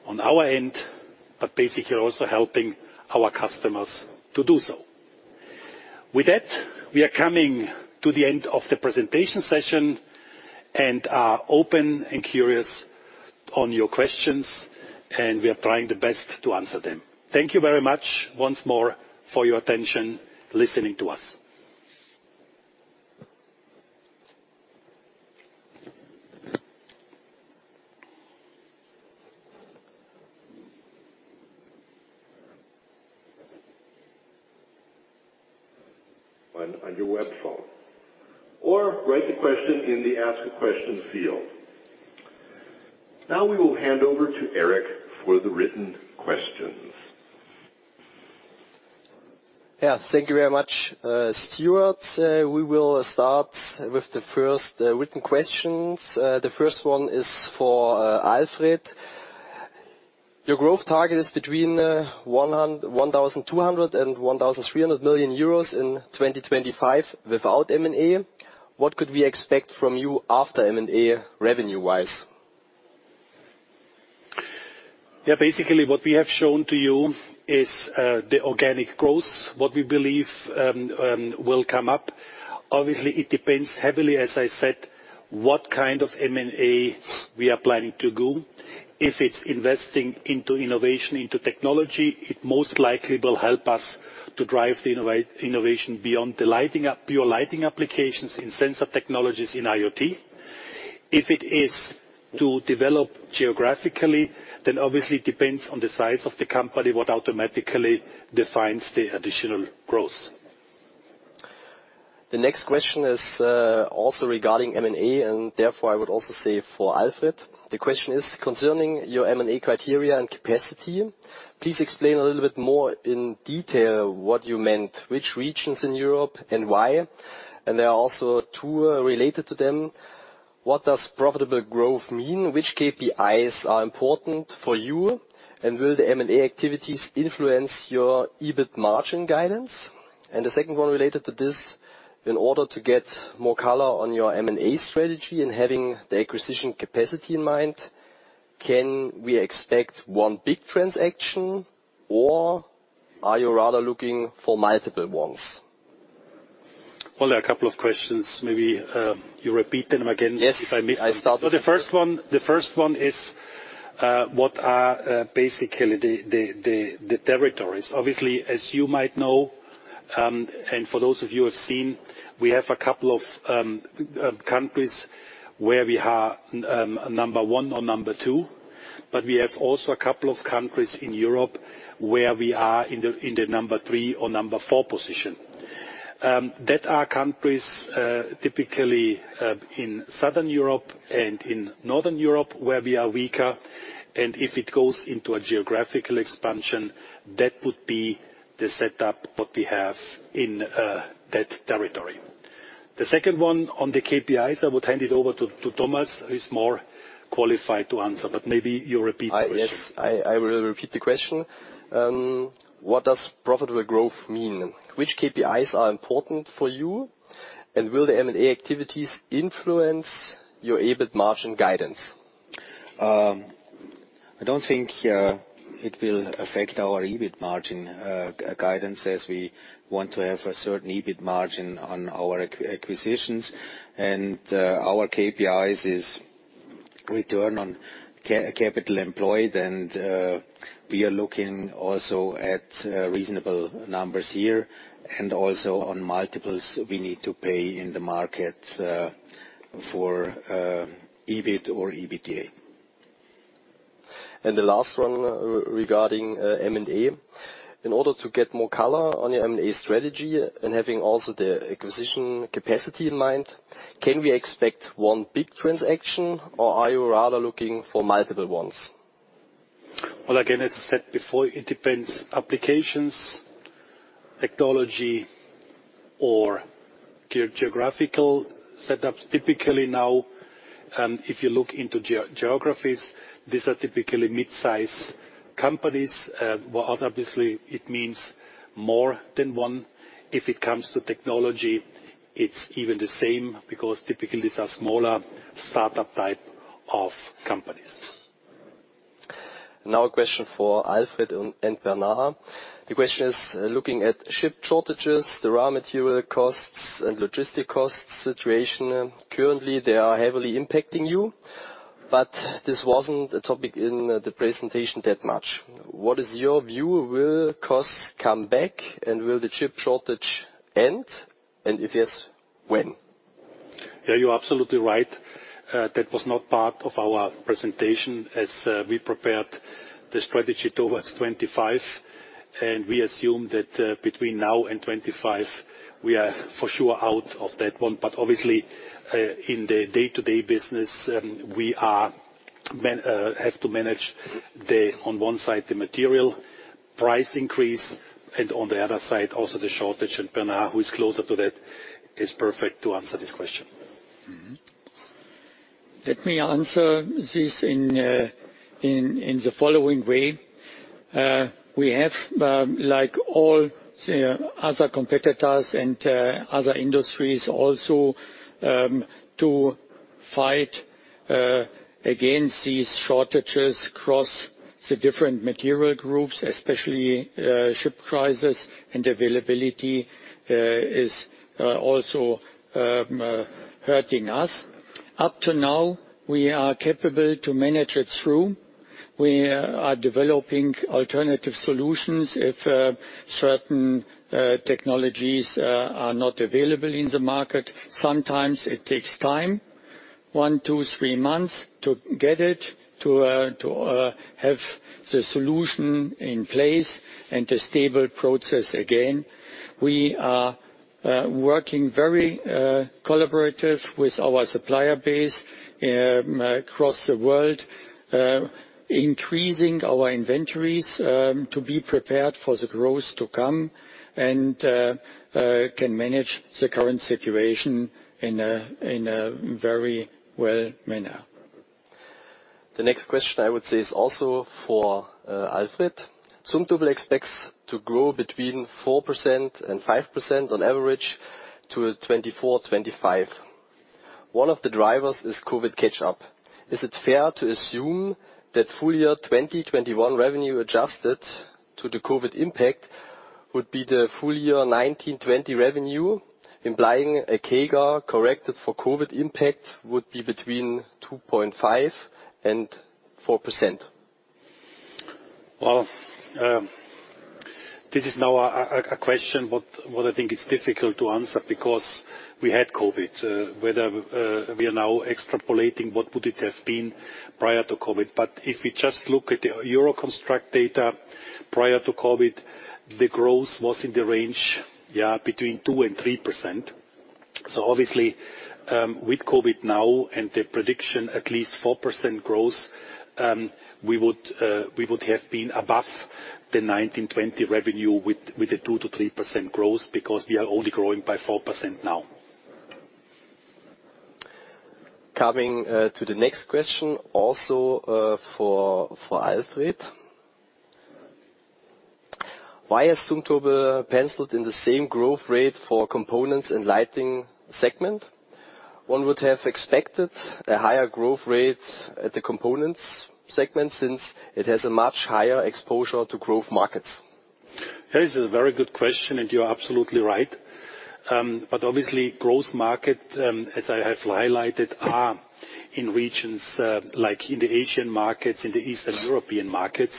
on our end, but basically also helping our customers to do so. With that, we are coming to the end of the presentation session and are open and curious on your questions, and we are trying the best to answer them. Thank you very much once more for your attention listening to us. On your web phone. Write the question in the ask a question field. We will hand over to Eric for the written questions. Yeah. Thank you very much, Stuart. We will start with the first written questions. The first one is for Alfred. Your growth target is between 1,200 million euros and 1,300 million euros in 2025 without M&A. What could we expect from you after M&A revenue-wise? Yeah. Basically, what we have shown to you is the organic growth, what we believe will come up. Obviously, it depends heavily, as I said, what kind of M&As we are planning to do. If it's investing into innovation, into technology, it most likely will help us to drive the innovation beyond the pure lighting applications in sensor technologies in IoT. If it is to develop geographically, then obviously it depends on the size of the company, what automatically defines the additional growth. The next question is also regarding M&A, and therefore, I would also say for Alfred. The question is concerning your M&A criteria and capacity. Please explain a little bit more in detail what you meant, which regions in Europe and why. There are also two related to them. What does profitable growth mean? Which KPIs are important for you? Will the M&A activities influence your EBIT margin guidance? The second one related to this, in order to get more color on your M&A strategy and having the acquisition capacity in mind, can we expect one big transaction or are you rather looking for multiple ones? Well, there are a couple of questions. Maybe, you repeat them again. Yes if I may. I started- The first one is, what are basically the territories. Obviously, as you might know, and for those of you who have seen, we have a couple of countries where we are number one or number two, but we have also a couple of countries in Europe where we are in the number three or number four position. That are countries, typically in Southern Europe and in Northern Europe where we are weaker. If it goes into a geographical expansion, that would be the setup, what we have in that territory. The second one on the KPIs, I would hand it over to Thomas, who is more qualified to answer. Maybe you repeat the question. Yes. I will repeat the question. What does profitable growth mean? Which KPIs are important for you? Will the M&A activities influence your EBIT margin guidance? I don't think it will affect our EBIT margin guidance as we want to have a certain EBIT margin on our acquisitions, and our KPIs is return on capital employed, and we are looking also at reasonable numbers here, and also on multiples we need to pay in the market for EBIT or EBITDA. The last one regarding M&A. In order to get more color on your M&A strategy and having also the acquisition capacity in mind, can we expect one big transaction, or are you rather looking for multiple ones? Well, again, as I said before, it depends applications, technology, or geographical setups. Typically now, if you look into geographies, these are typically mid-size companies, where obviously it means more than one. If it comes to technology, it is even the same, because typically these are smaller startup type of companies. A question for Alfred and Bernard. The question is, looking at chip shortages, the raw material costs, and logistic cost situation. Currently, they are heavily impacting you. This wasn't a topic in the presentation that much. What is your view? Will costs come back, and will the chip shortage end? If yes, when? Yeah, you're absolutely right. That was not part of our presentation as we prepared the strategy towards 2025. We assume that between now and 2025, we are for sure out of that one. Obviously, in the day-to-day business, we have to manage, on one side, the material price increase, and on the other side, also the shortage. Bernard, who is closer to that, is perfect to answer this question. Let me answer this in the following way. We have, like all the other competitors and other industries also, to fight against these shortages across the different material groups, especially chip prices, and availability is also hurting us. Up to now, we are capable to manage it through. We are developing alternative solutions if certain technologies are not available in the market. Sometimes it takes time, one, two, three months, to get it to have the solution in place and the stable process again. We are working very collaborative with our supplier base across the world, increasing our inventories to be prepared for the growth to come and can manage the current situation in a very well manner. The next question I would say is also for Alfred. Zumtobel expects to grow between 4% and 5% on average to 2024, 2025. One of the drivers is COVID catch-up. Is it fair to assume that full year 2021 revenue adjusted to the COVID impact would be the full year 2019, 2020 revenue, implying a CAGR corrected for COVID impact would be between 2.5% and 4%? Well, this is now a question what I think is difficult to answer because we had COVID, whether we are now extrapolating what would it have been prior to COVID. If we just look at the Euroconstruct data prior to COVID, the growth was in the range, yeah, between 2% and 3%. Obviously, with COVID now and the prediction at least 4% growth, we would have been above the 2019/2020 revenue with the 2%-3% growth because we are only growing by 4% now. Coming to the next question also for Alfred. Why has Zumtobel penciled in the same growth rate for components and lighting segment? One would have expected a higher growth rate at the components segment since it has a much higher exposure to growth markets. That is a very good question, and you're absolutely right. Obviously, growth market, as I have highlighted, are in regions like in the Asian markets, in the Eastern European markets.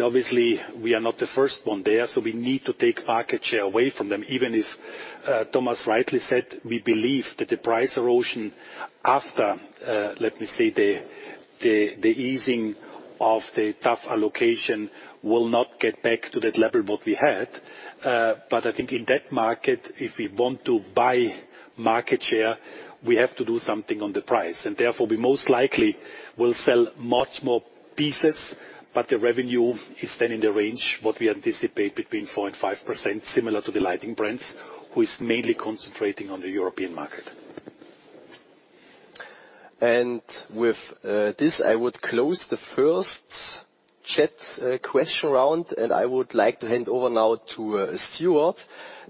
Obviously, we are not the first one there, so we need to take market share away from them, even if Thomas rightly said, we believe that the price erosion after, let me say, the easing of the tough allocation will not get back to that level what we had. I think in that market, if we want to buy market share, we have to do something on the price. Therefore, we most likely will sell much more pieces, but the revenue is then in the range, what we anticipate between 4% and 5%, similar to the lighting brands, who is mainly concentrating on the European market. With this, I would close the first chat question round, and I would like to hand over now to Stuart,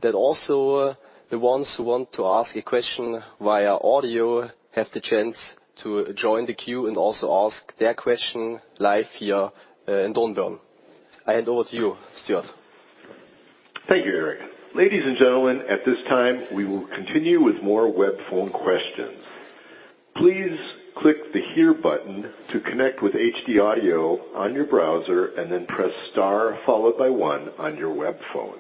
that also the ones who want to ask a question via audio have the chance to join the queue and also ask their question live here in Dornbirn. I hand over to you, Stuart. Thank you, Eric. Ladies and gentlemen, at this time, we will continue with more web phone questions. Please click the Hear button to connect with HD Audio on your browser, and then press star followed by one on your web phone.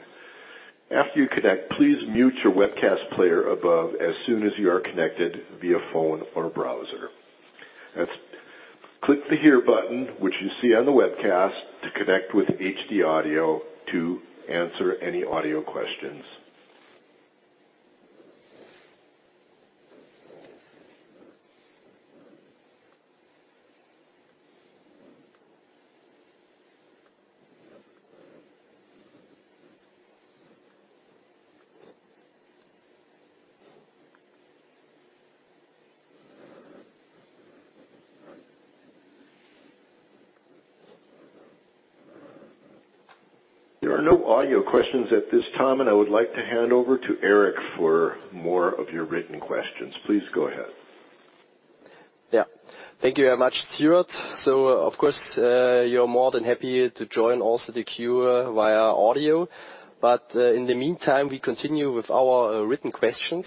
After you connect, please mute your webcast player above as soon as you are connected via phone or browser. Click the Hear button, which you see on the webcast to connect with HD Audio to answer any audio questions. There are no audio questions at this time. I would like to hand over to Eric for more of your written questions. Please go ahead. Yeah. Thank you very much, Stuart. Of course, you're more than happy to join also the queue via audio. In the meantime, we continue with our written questions.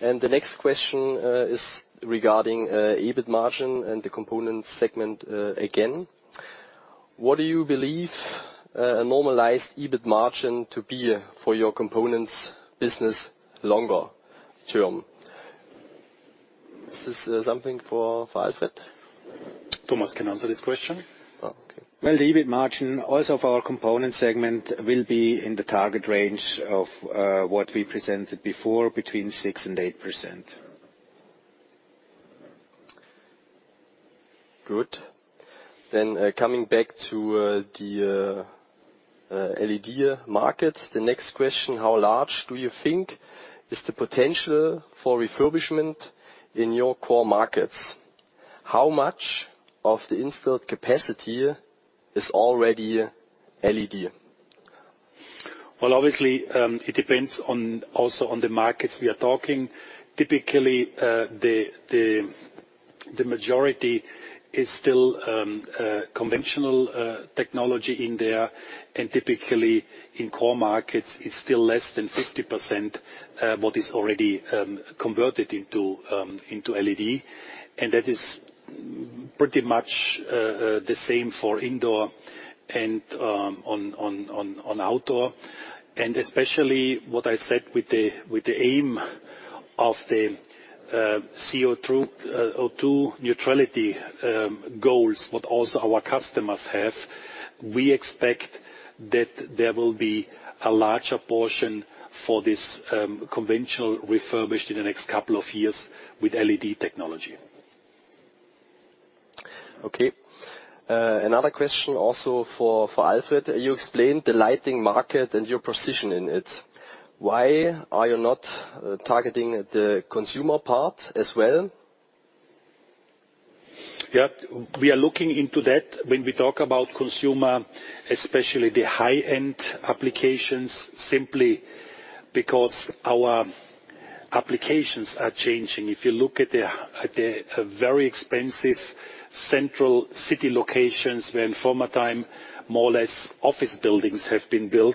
The next question is regarding EBIT margin and the components segment again. What do you believe a normalized EBIT margin to be for your components business longer term? Is this something for Alfred? Thomas can answer this question. Oh, okay. Well, the EBIT margin also for our component segment will be in the target range of what we presented before, between 6% and 8%. Good. Coming back to the LED market, the next question, how large do you think is the potential for refurbishment in your core markets? How much of the installed capacity is already LED? Well, obviously, it depends also on the markets we are talking. Typically, the majority is still conventional technology in there, typically in core markets, it's still less than 50% what is already converted into LED. That is pretty much the same for indoor and on outdoor. Especially what I said with the aim of the CO2 neutrality goals, what also our customers have, we expect that there will be a larger portion for this conventional refurbished in the next couple of years with LED technology. Okay. Another question also for Alfred. You explained the lighting market and your position in it. Why are you not targeting the consumer part as well? Yeah, we are looking into that when we talk about consumer, especially the high-end applications, simply because our applications are changing. If you look at the very expensive central city locations where in former time, more or less office buildings have been built.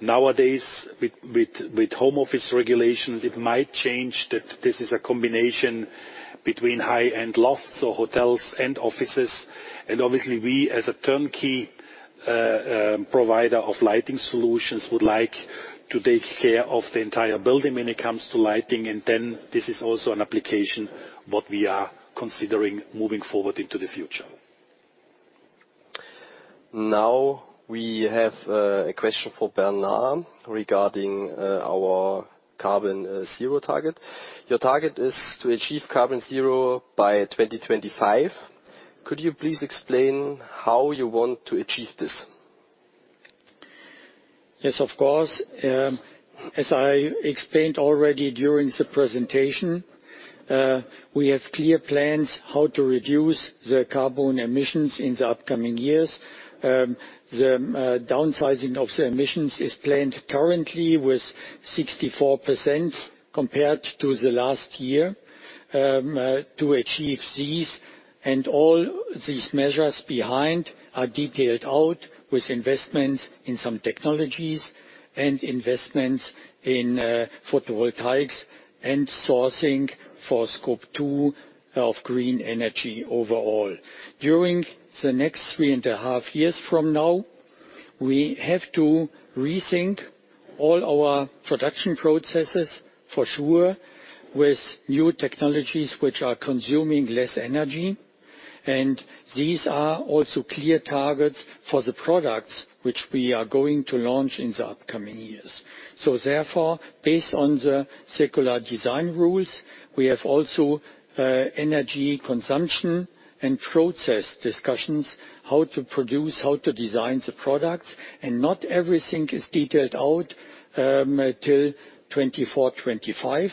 Nowadays, with home office regulations, it might change that this is a combination between high-end lofts or hotels and offices. Obviously we, as a turnkey provider of lighting solutions, would like to take care of the entire building when it comes to lighting, and then this is also an application, what we are considering moving forward into the future. We have a question for Bernard regarding our carbon zero target. Your target is to achieve carbon zero by 2025. Could you please explain how you want to achieve this? Yes, of course. As I explained already during the presentation, we have clear plans how to reduce the carbon emissions in the upcoming years. The downsizing of the emissions is planned currently with 64% compared to the last year, to achieve these. All these measures behind are detailed out with investments in some technologies and investments in photovoltaics and sourcing for Scope 2 of green energy overall. During the next three and a half years from now, we have to rethink all our production processes, for sure, with new technologies which are consuming less energy. These are also clear targets for the products which we are going to launch in the upcoming years. Therefore, based on the secular design rules, we have also energy consumption and process discussions, how to produce, how to design the products, and not everything is detailed out till 2024, 2025,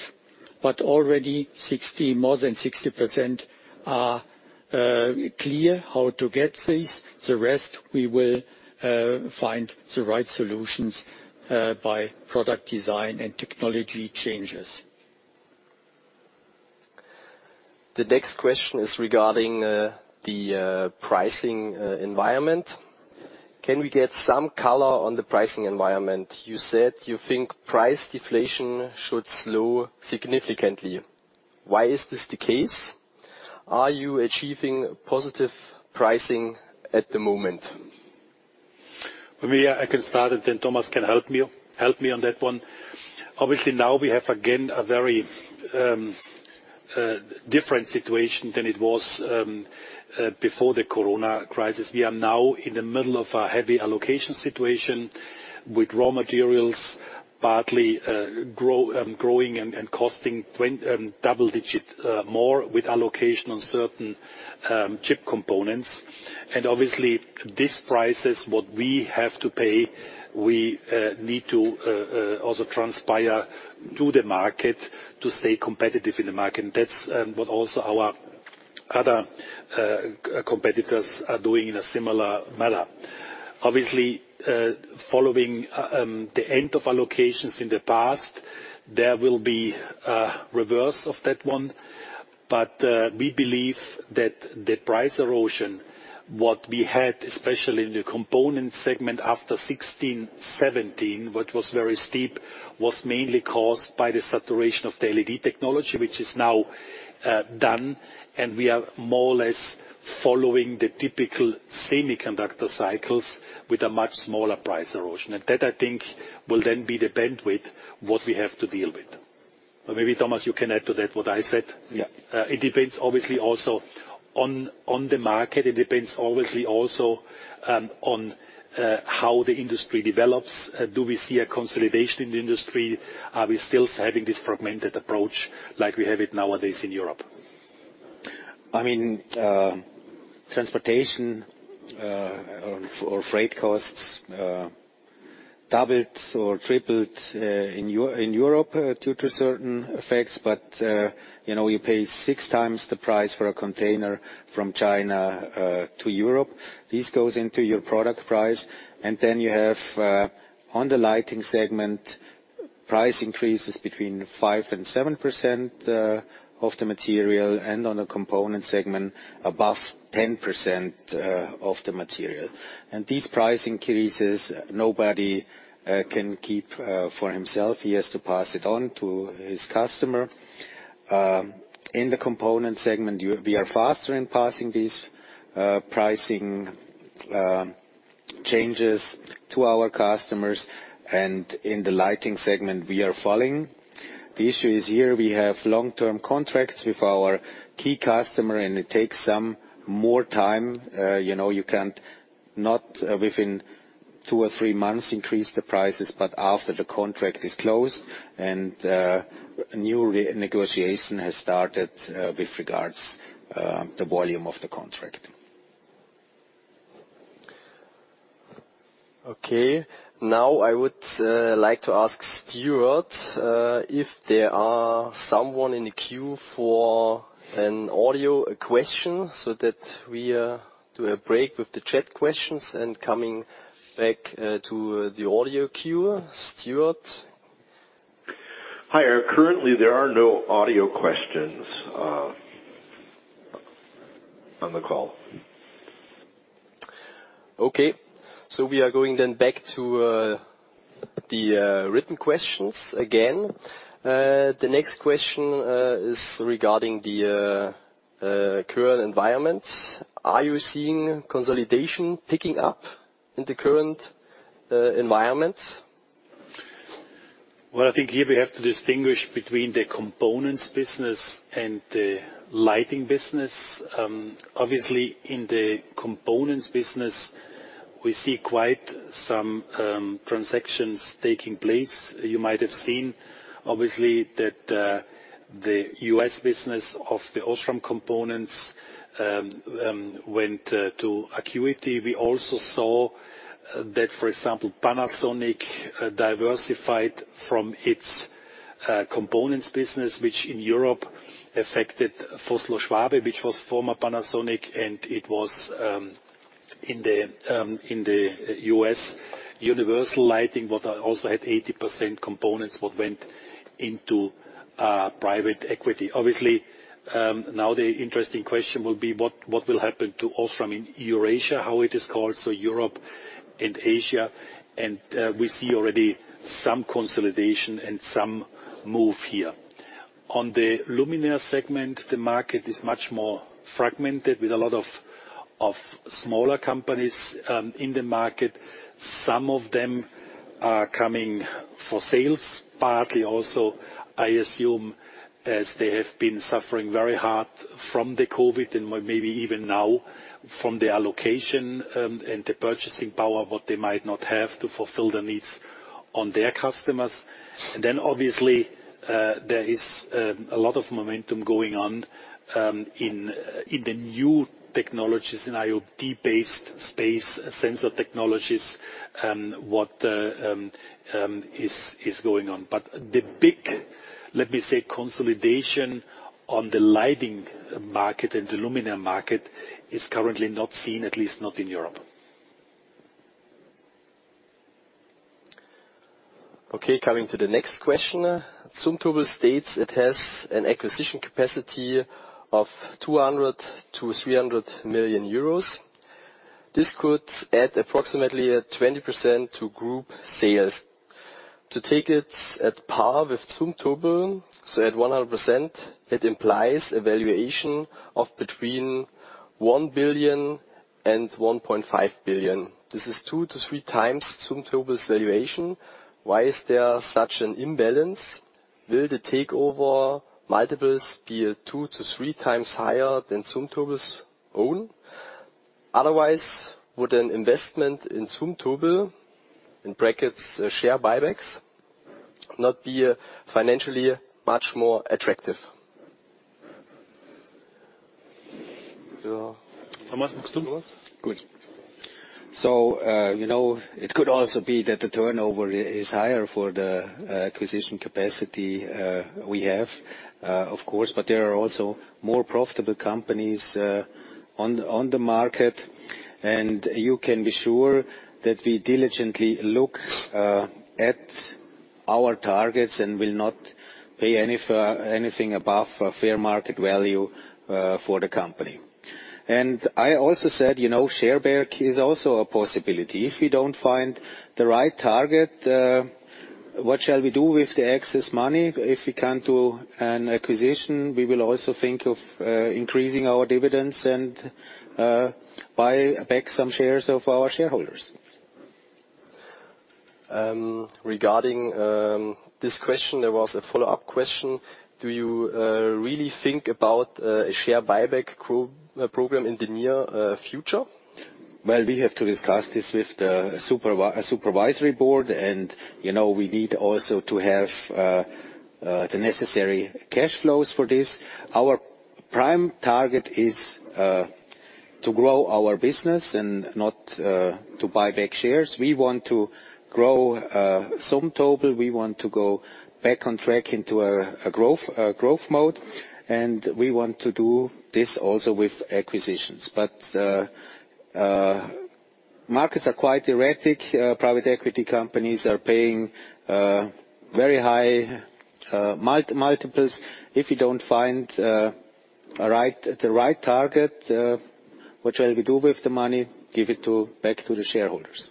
but already more than 60% are clear how to get these. The rest we will find the right solutions by product design and technology changes. The next question is regarding the pricing environment. Can we get some color on the pricing environment? You said you think price deflation should slow significantly. Why is this the case? Are you achieving positive pricing at the moment? Maybe I can start it then Thomas can help me on that one. Now we have, again, a very different situation than it was before the corona crisis. We are now in the middle of a heavy allocation situation with raw materials, partly growing and costing double-digit more with allocation on certain chip components. Obviously, these prices, what we have to pay, we need to also transpire to the market to stay competitive in the market. That's what also our other competitors are doing in a similar manner. Following the end of allocations in the past, there will be a reverse of that one. We believe that the price erosion, what we had, especially in the component segment after 2016, 2017, what was very steep, was mainly caused by the saturation of the LED technology, which is now done, and we are more or less. Following the typical semiconductor cycles with a much smaller price erosion. That, I think, will then be the bandwidth what we have to deal with. Maybe, Thomas, you can add to that what I said. Yeah. It depends, obviously, also on the market. It depends, obviously, also on how the industry develops. Do we see a consolidation in the industry? Are we still having this fragmented approach like we have it nowadays in Europe? You pay six times the price for a container from China to Europe. This goes into your product price. You have, on the lighting segment, price increases between 5% and 7% of the material, and on the component segment, above 10% of the material. These price increases, nobody can keep for himself. He has to pass it on to his customer. In the component segment, we are faster in passing these pricing changes to our customers, and in the lighting segment we are following. The issue is here, we have long-term contracts with our key customer and it takes some more time. You can't, not within two or three months, increase the prices, but after the contract is closed and a new negotiation has started with regards the volume of the contract. Okay. I would like to ask Stuart if there are someone in the queue for an audio question so that we do a break with the chat questions and coming back to the audio queue. Stuart? Hi. Currently, there are no audio questions on the call. Okay, we are going then back to the written questions again. The next question is regarding the current environment. Are you seeing consolidation picking up in the current environment? Well, I think here we have to distinguish between the components business and the lighting business. Obviously, in the components business, we see quite some transactions taking place. You might have seen, obviously, that the U.S. business of the Osram components went to Acuity. We also saw that, for example, Panasonic diversified from its components business, which in Europe affected Vossloh-Schwabe, which was former Panasonic, and it was in the U.S. Universal Lighting, what also had 80% components, what went into private equity. Obviously, now the interesting question will be what will happen to Osram in Eurasia, how it is called, so Europe and Asia. We see already some consolidation and some move here. On the luminaire segment, the market is much more fragmented with a lot of smaller companies in the market. Some of them are coming for sales, partly also, I assume, as they have been suffering very hard from the COVID and maybe even now from their location and the purchasing power, what they might not have to fulfill the needs on their customers. Obviously, there is a lot of momentum going on in the new technologies, in IoT-based space, sensor technologies, what is going on. The big, let me say, consolidation on the lighting market and the luminaire market is currently not seen, at least not in Europe. Okay, coming to the next question. Zumtobel states it has an acquisition capacity of 200 million-300 million euros. This could add approximately 20% to group sales. To take it at par with Zumtobel, so at 100%, it implies a valuation of between 1 billion and 1.5 billion. This is 2x-3x Zumtobel's valuation. Why is there such an imbalance? Will the takeover multiples be 2x-3x higher than Zumtobel's own? Otherwise, would an investment in Zumtobel, in brackets, share buybacks, not be financially much more attractive? Thomas, Good. It could also be that the turnover is higher for the acquisition capacity we have, of course, but there are also more profitable companies on the market, and you can be sure that we diligently look at our targets and will not pay anything above fair market value for the company. I also said, share buyback is also a possibility. If we don't find the right target, what shall we do with the excess money? If we can't do an acquisition, we will also think of increasing our dividends and buy back some shares of our shareholders. Regarding this question, there was a follow-up question. Do you really think about a share buyback program in the near future? Well, we have to discuss this with the supervisory board. We need also to have the necessary cash flows for this. Our prime target is to grow our business and not to buy back shares. We want to grow Zumtobel. We want to go back on track into a growth mode. We want to do this also with acquisitions. Markets are quite erratic. Private equity companies are paying very high multiples. If you don't find the right target, what shall we do with the money? Give it back to the shareholders.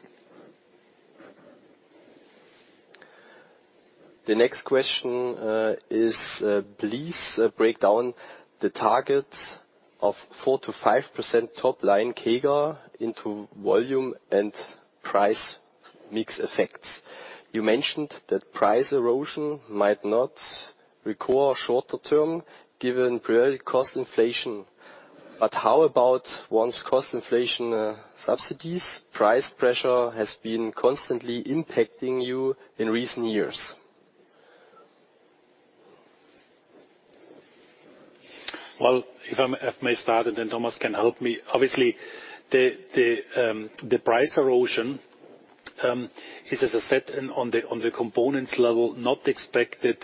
The next question is, please break down the targets of 4%-5% top line CAGR into volume and price mix effects. You mentioned that price erosion might not recur shorter term, given priority cost inflation. How about once cost inflation subsides? Price pressure has been constantly impacting you in recent years. Well, if I may start, and then Thomas can help me. Obviously, the price erosion is, as I said, on the components level, not expected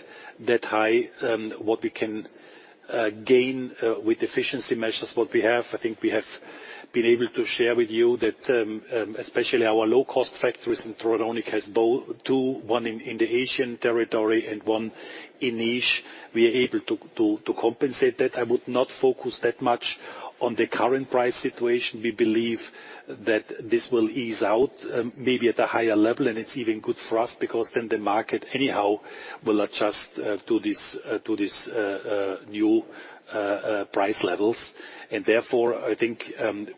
that high. What we can gain with efficiency measures, what we have, I think we have been able to share with you that especially our low-cost factories in Tridonic has two, one in the Asian territory and one in Niš. We are able to compensate that. I would not focus that much on the current price situation. We believe that this will ease out maybe at a higher level, and it's even good for us because then the market anyhow will adjust to these new price levels. Therefore, I think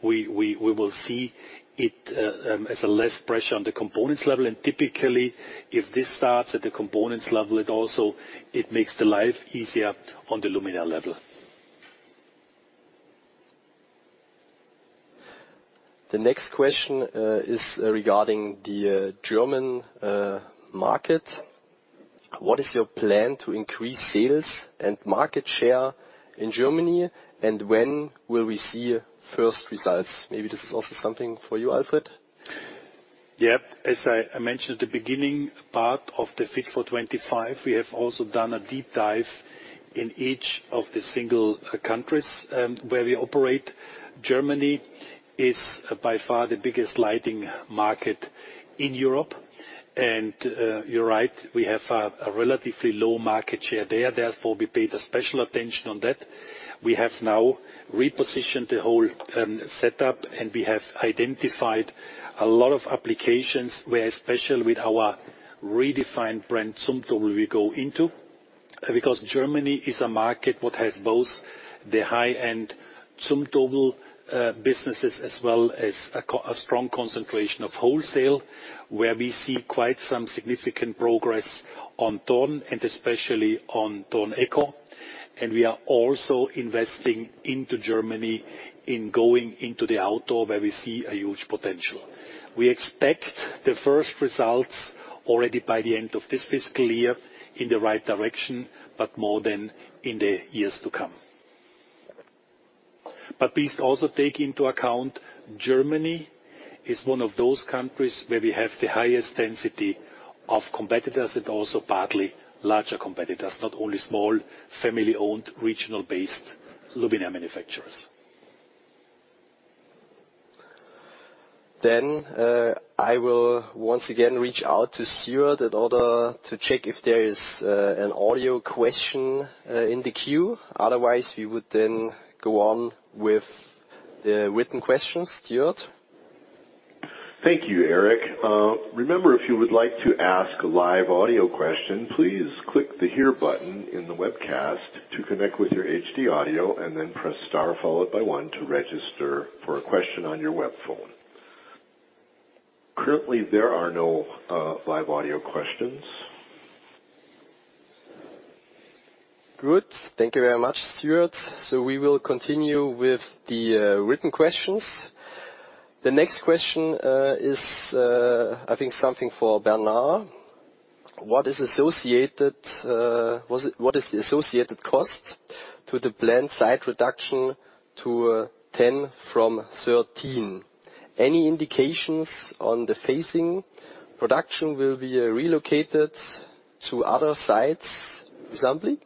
we will see it as a less pressure on the components level. Typically, if this starts at the components level, it makes the life easier on the luminaire level. The next question is regarding the German market. What is your plan to increase sales and market share in Germany, and when will we see first results? Maybe this is also something for you, Alfred. Yep. As I mentioned at the beginning part of the Fit for 2025, we have also done a deep dive in each of the single countries where we operate. Germany is by far the biggest lighting market in Europe. You're right, we have a relatively low market share there. Therefore, we paid special attention on that. We have now repositioned the whole setup, and we have identified a lot of applications where, especially with our redefined brand, Zumtobel, we go into, because Germany is a market that has both the high-end Zumtobel businesses as well as a strong concentration of wholesale, where we see quite some significant progress on Thorn and especially on THORNeco. We are also investing into Germany in going into the outdoor, where we see a huge potential. We expect the first results already by the end of this fiscal year in the right direction, but more than in the years to come. Please also take into account, Germany is one of those countries where we have the highest density of competitors and also partly larger competitors, not only small, family-owned, regional-based luminaire manufacturers. I will once again reach out to Stuart in order to check if there is an audio question in the queue. Otherwise, we would then go on with the written questions. Stuart? Thank you, Eric. Currently, there are no live audio questions. Good. Thank you very much, Stuart. We will continue with the written questions. The next question is, I think something for Bernard. What is the associated cost to the planned site reduction to 10 from 13? Any indications on the phasing production will be relocated to other sites, for example?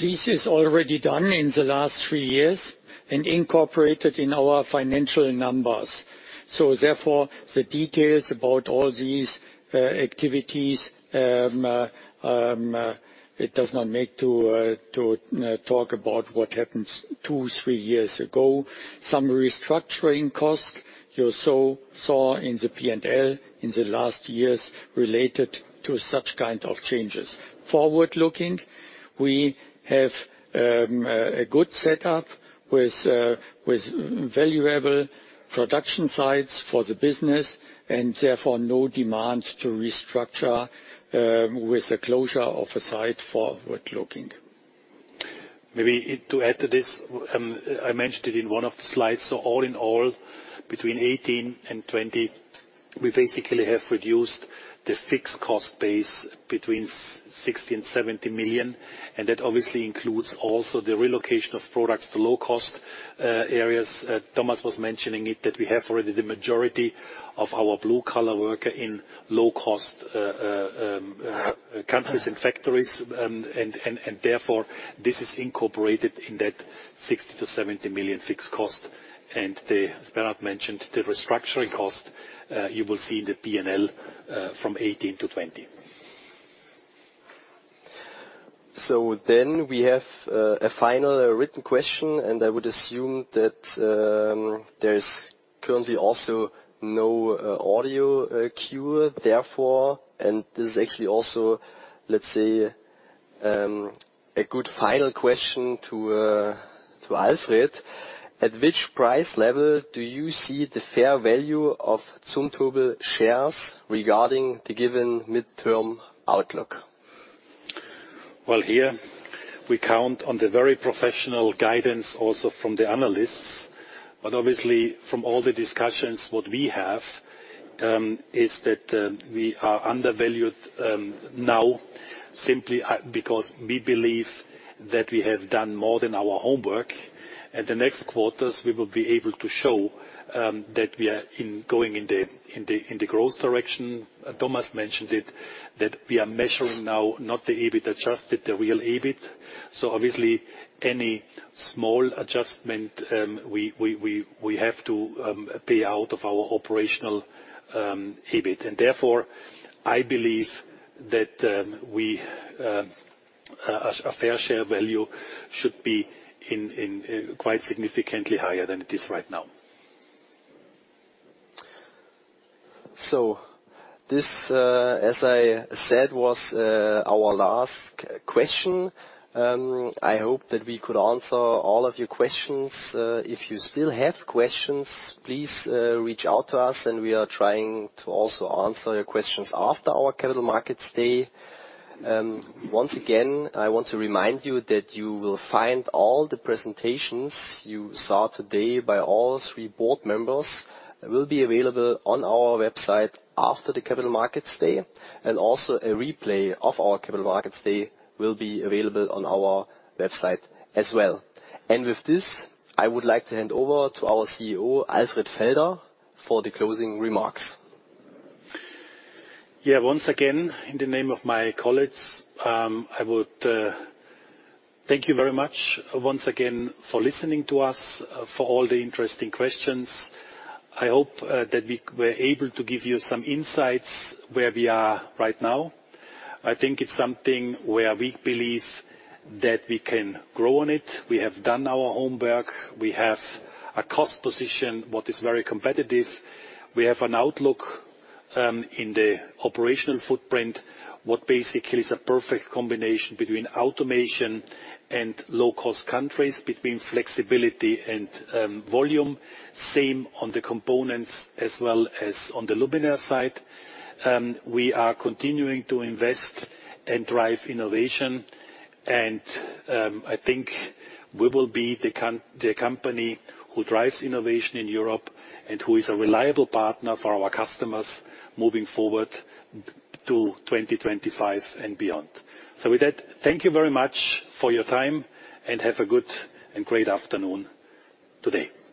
This is already done in the last thre years. Incorporated in our financial numbers. Therefore, the details about all these activities, it does not make to talk about what happens two, three years ago. Some restructuring costs you saw in the P&L in the last years related to such kind of changes. Forward looking, we have a good setup with valuable production sites for the business, therefore no demands to restructure with the closure of a site forward looking. Maybe to add to this, I mentioned it in one of the slides. All in all, between 2018 and 2020, we basically have reduced the fixed cost base between 60 million and 70 million. That obviously includes also the relocation of products to low-cost areas. Thomas was mentioning it, that we have already the majority of our blue-collar workers in low-cost countries and factories. Therefore, this is incorporated in that 60 million-70 million fixed cost. As Bernard mentioned, the restructuring cost, you will see in the P&L from 2018-2020. We have a final written question, and I would assume that there is currently also no audio queue, therefore, and this is actually also, let's say, a good final question to Alfred. At which price level do you see the fair value of Zumtobel shares regarding the given midterm outlook? Here we count on the very professional guidance also from the analysts. Obviously, from all the discussions, what we have, is that we are undervalued now simply because we believe that we have done more than our homework. At the next quarters, we will be able to show that we are going in the growth direction. Thomas mentioned it, that we are measuring now not the EBIT adjusted, the real EBIT. Obviously any small adjustment, we have to pay out of our operational EBIT. Therefore, I believe that a fair share value should be quite significantly higher than it is right now. This, as I said, was our last question. I hope that we could answer all of your questions. If you still have questions, please reach out to us and we are trying to also answer your questions after our Capital Markets Day. Once again, I want to remind you that you will find all the presentations you saw today by all three board members will be available on our website after the Capital Markets Day, and also a replay of our Capital Markets Day will be available on our website as well. With this, I would like to hand over to our CEO, Alfred Felder, for the closing remarks. Once again, in the name of my colleagues, I would thank you very much once again for listening to us, for all the interesting questions. I hope that we were able to give you some insights where we are right now. I think it's something where we believe that we can grow on it. We have done our homework. We have a cost position what is very competitive. We have an outlook in the operational footprint, what basically is a perfect combination between automation and low-cost countries, between flexibility and volume. Same on the components as well as on the Luminaire side. We are continuing to invest and drive innovation. I think we will be the company who drives innovation in Europe and who is a reliable partner for our customers moving forward to 2025 and beyond. With that, thank you very much for your time, and have a good and great afternoon today.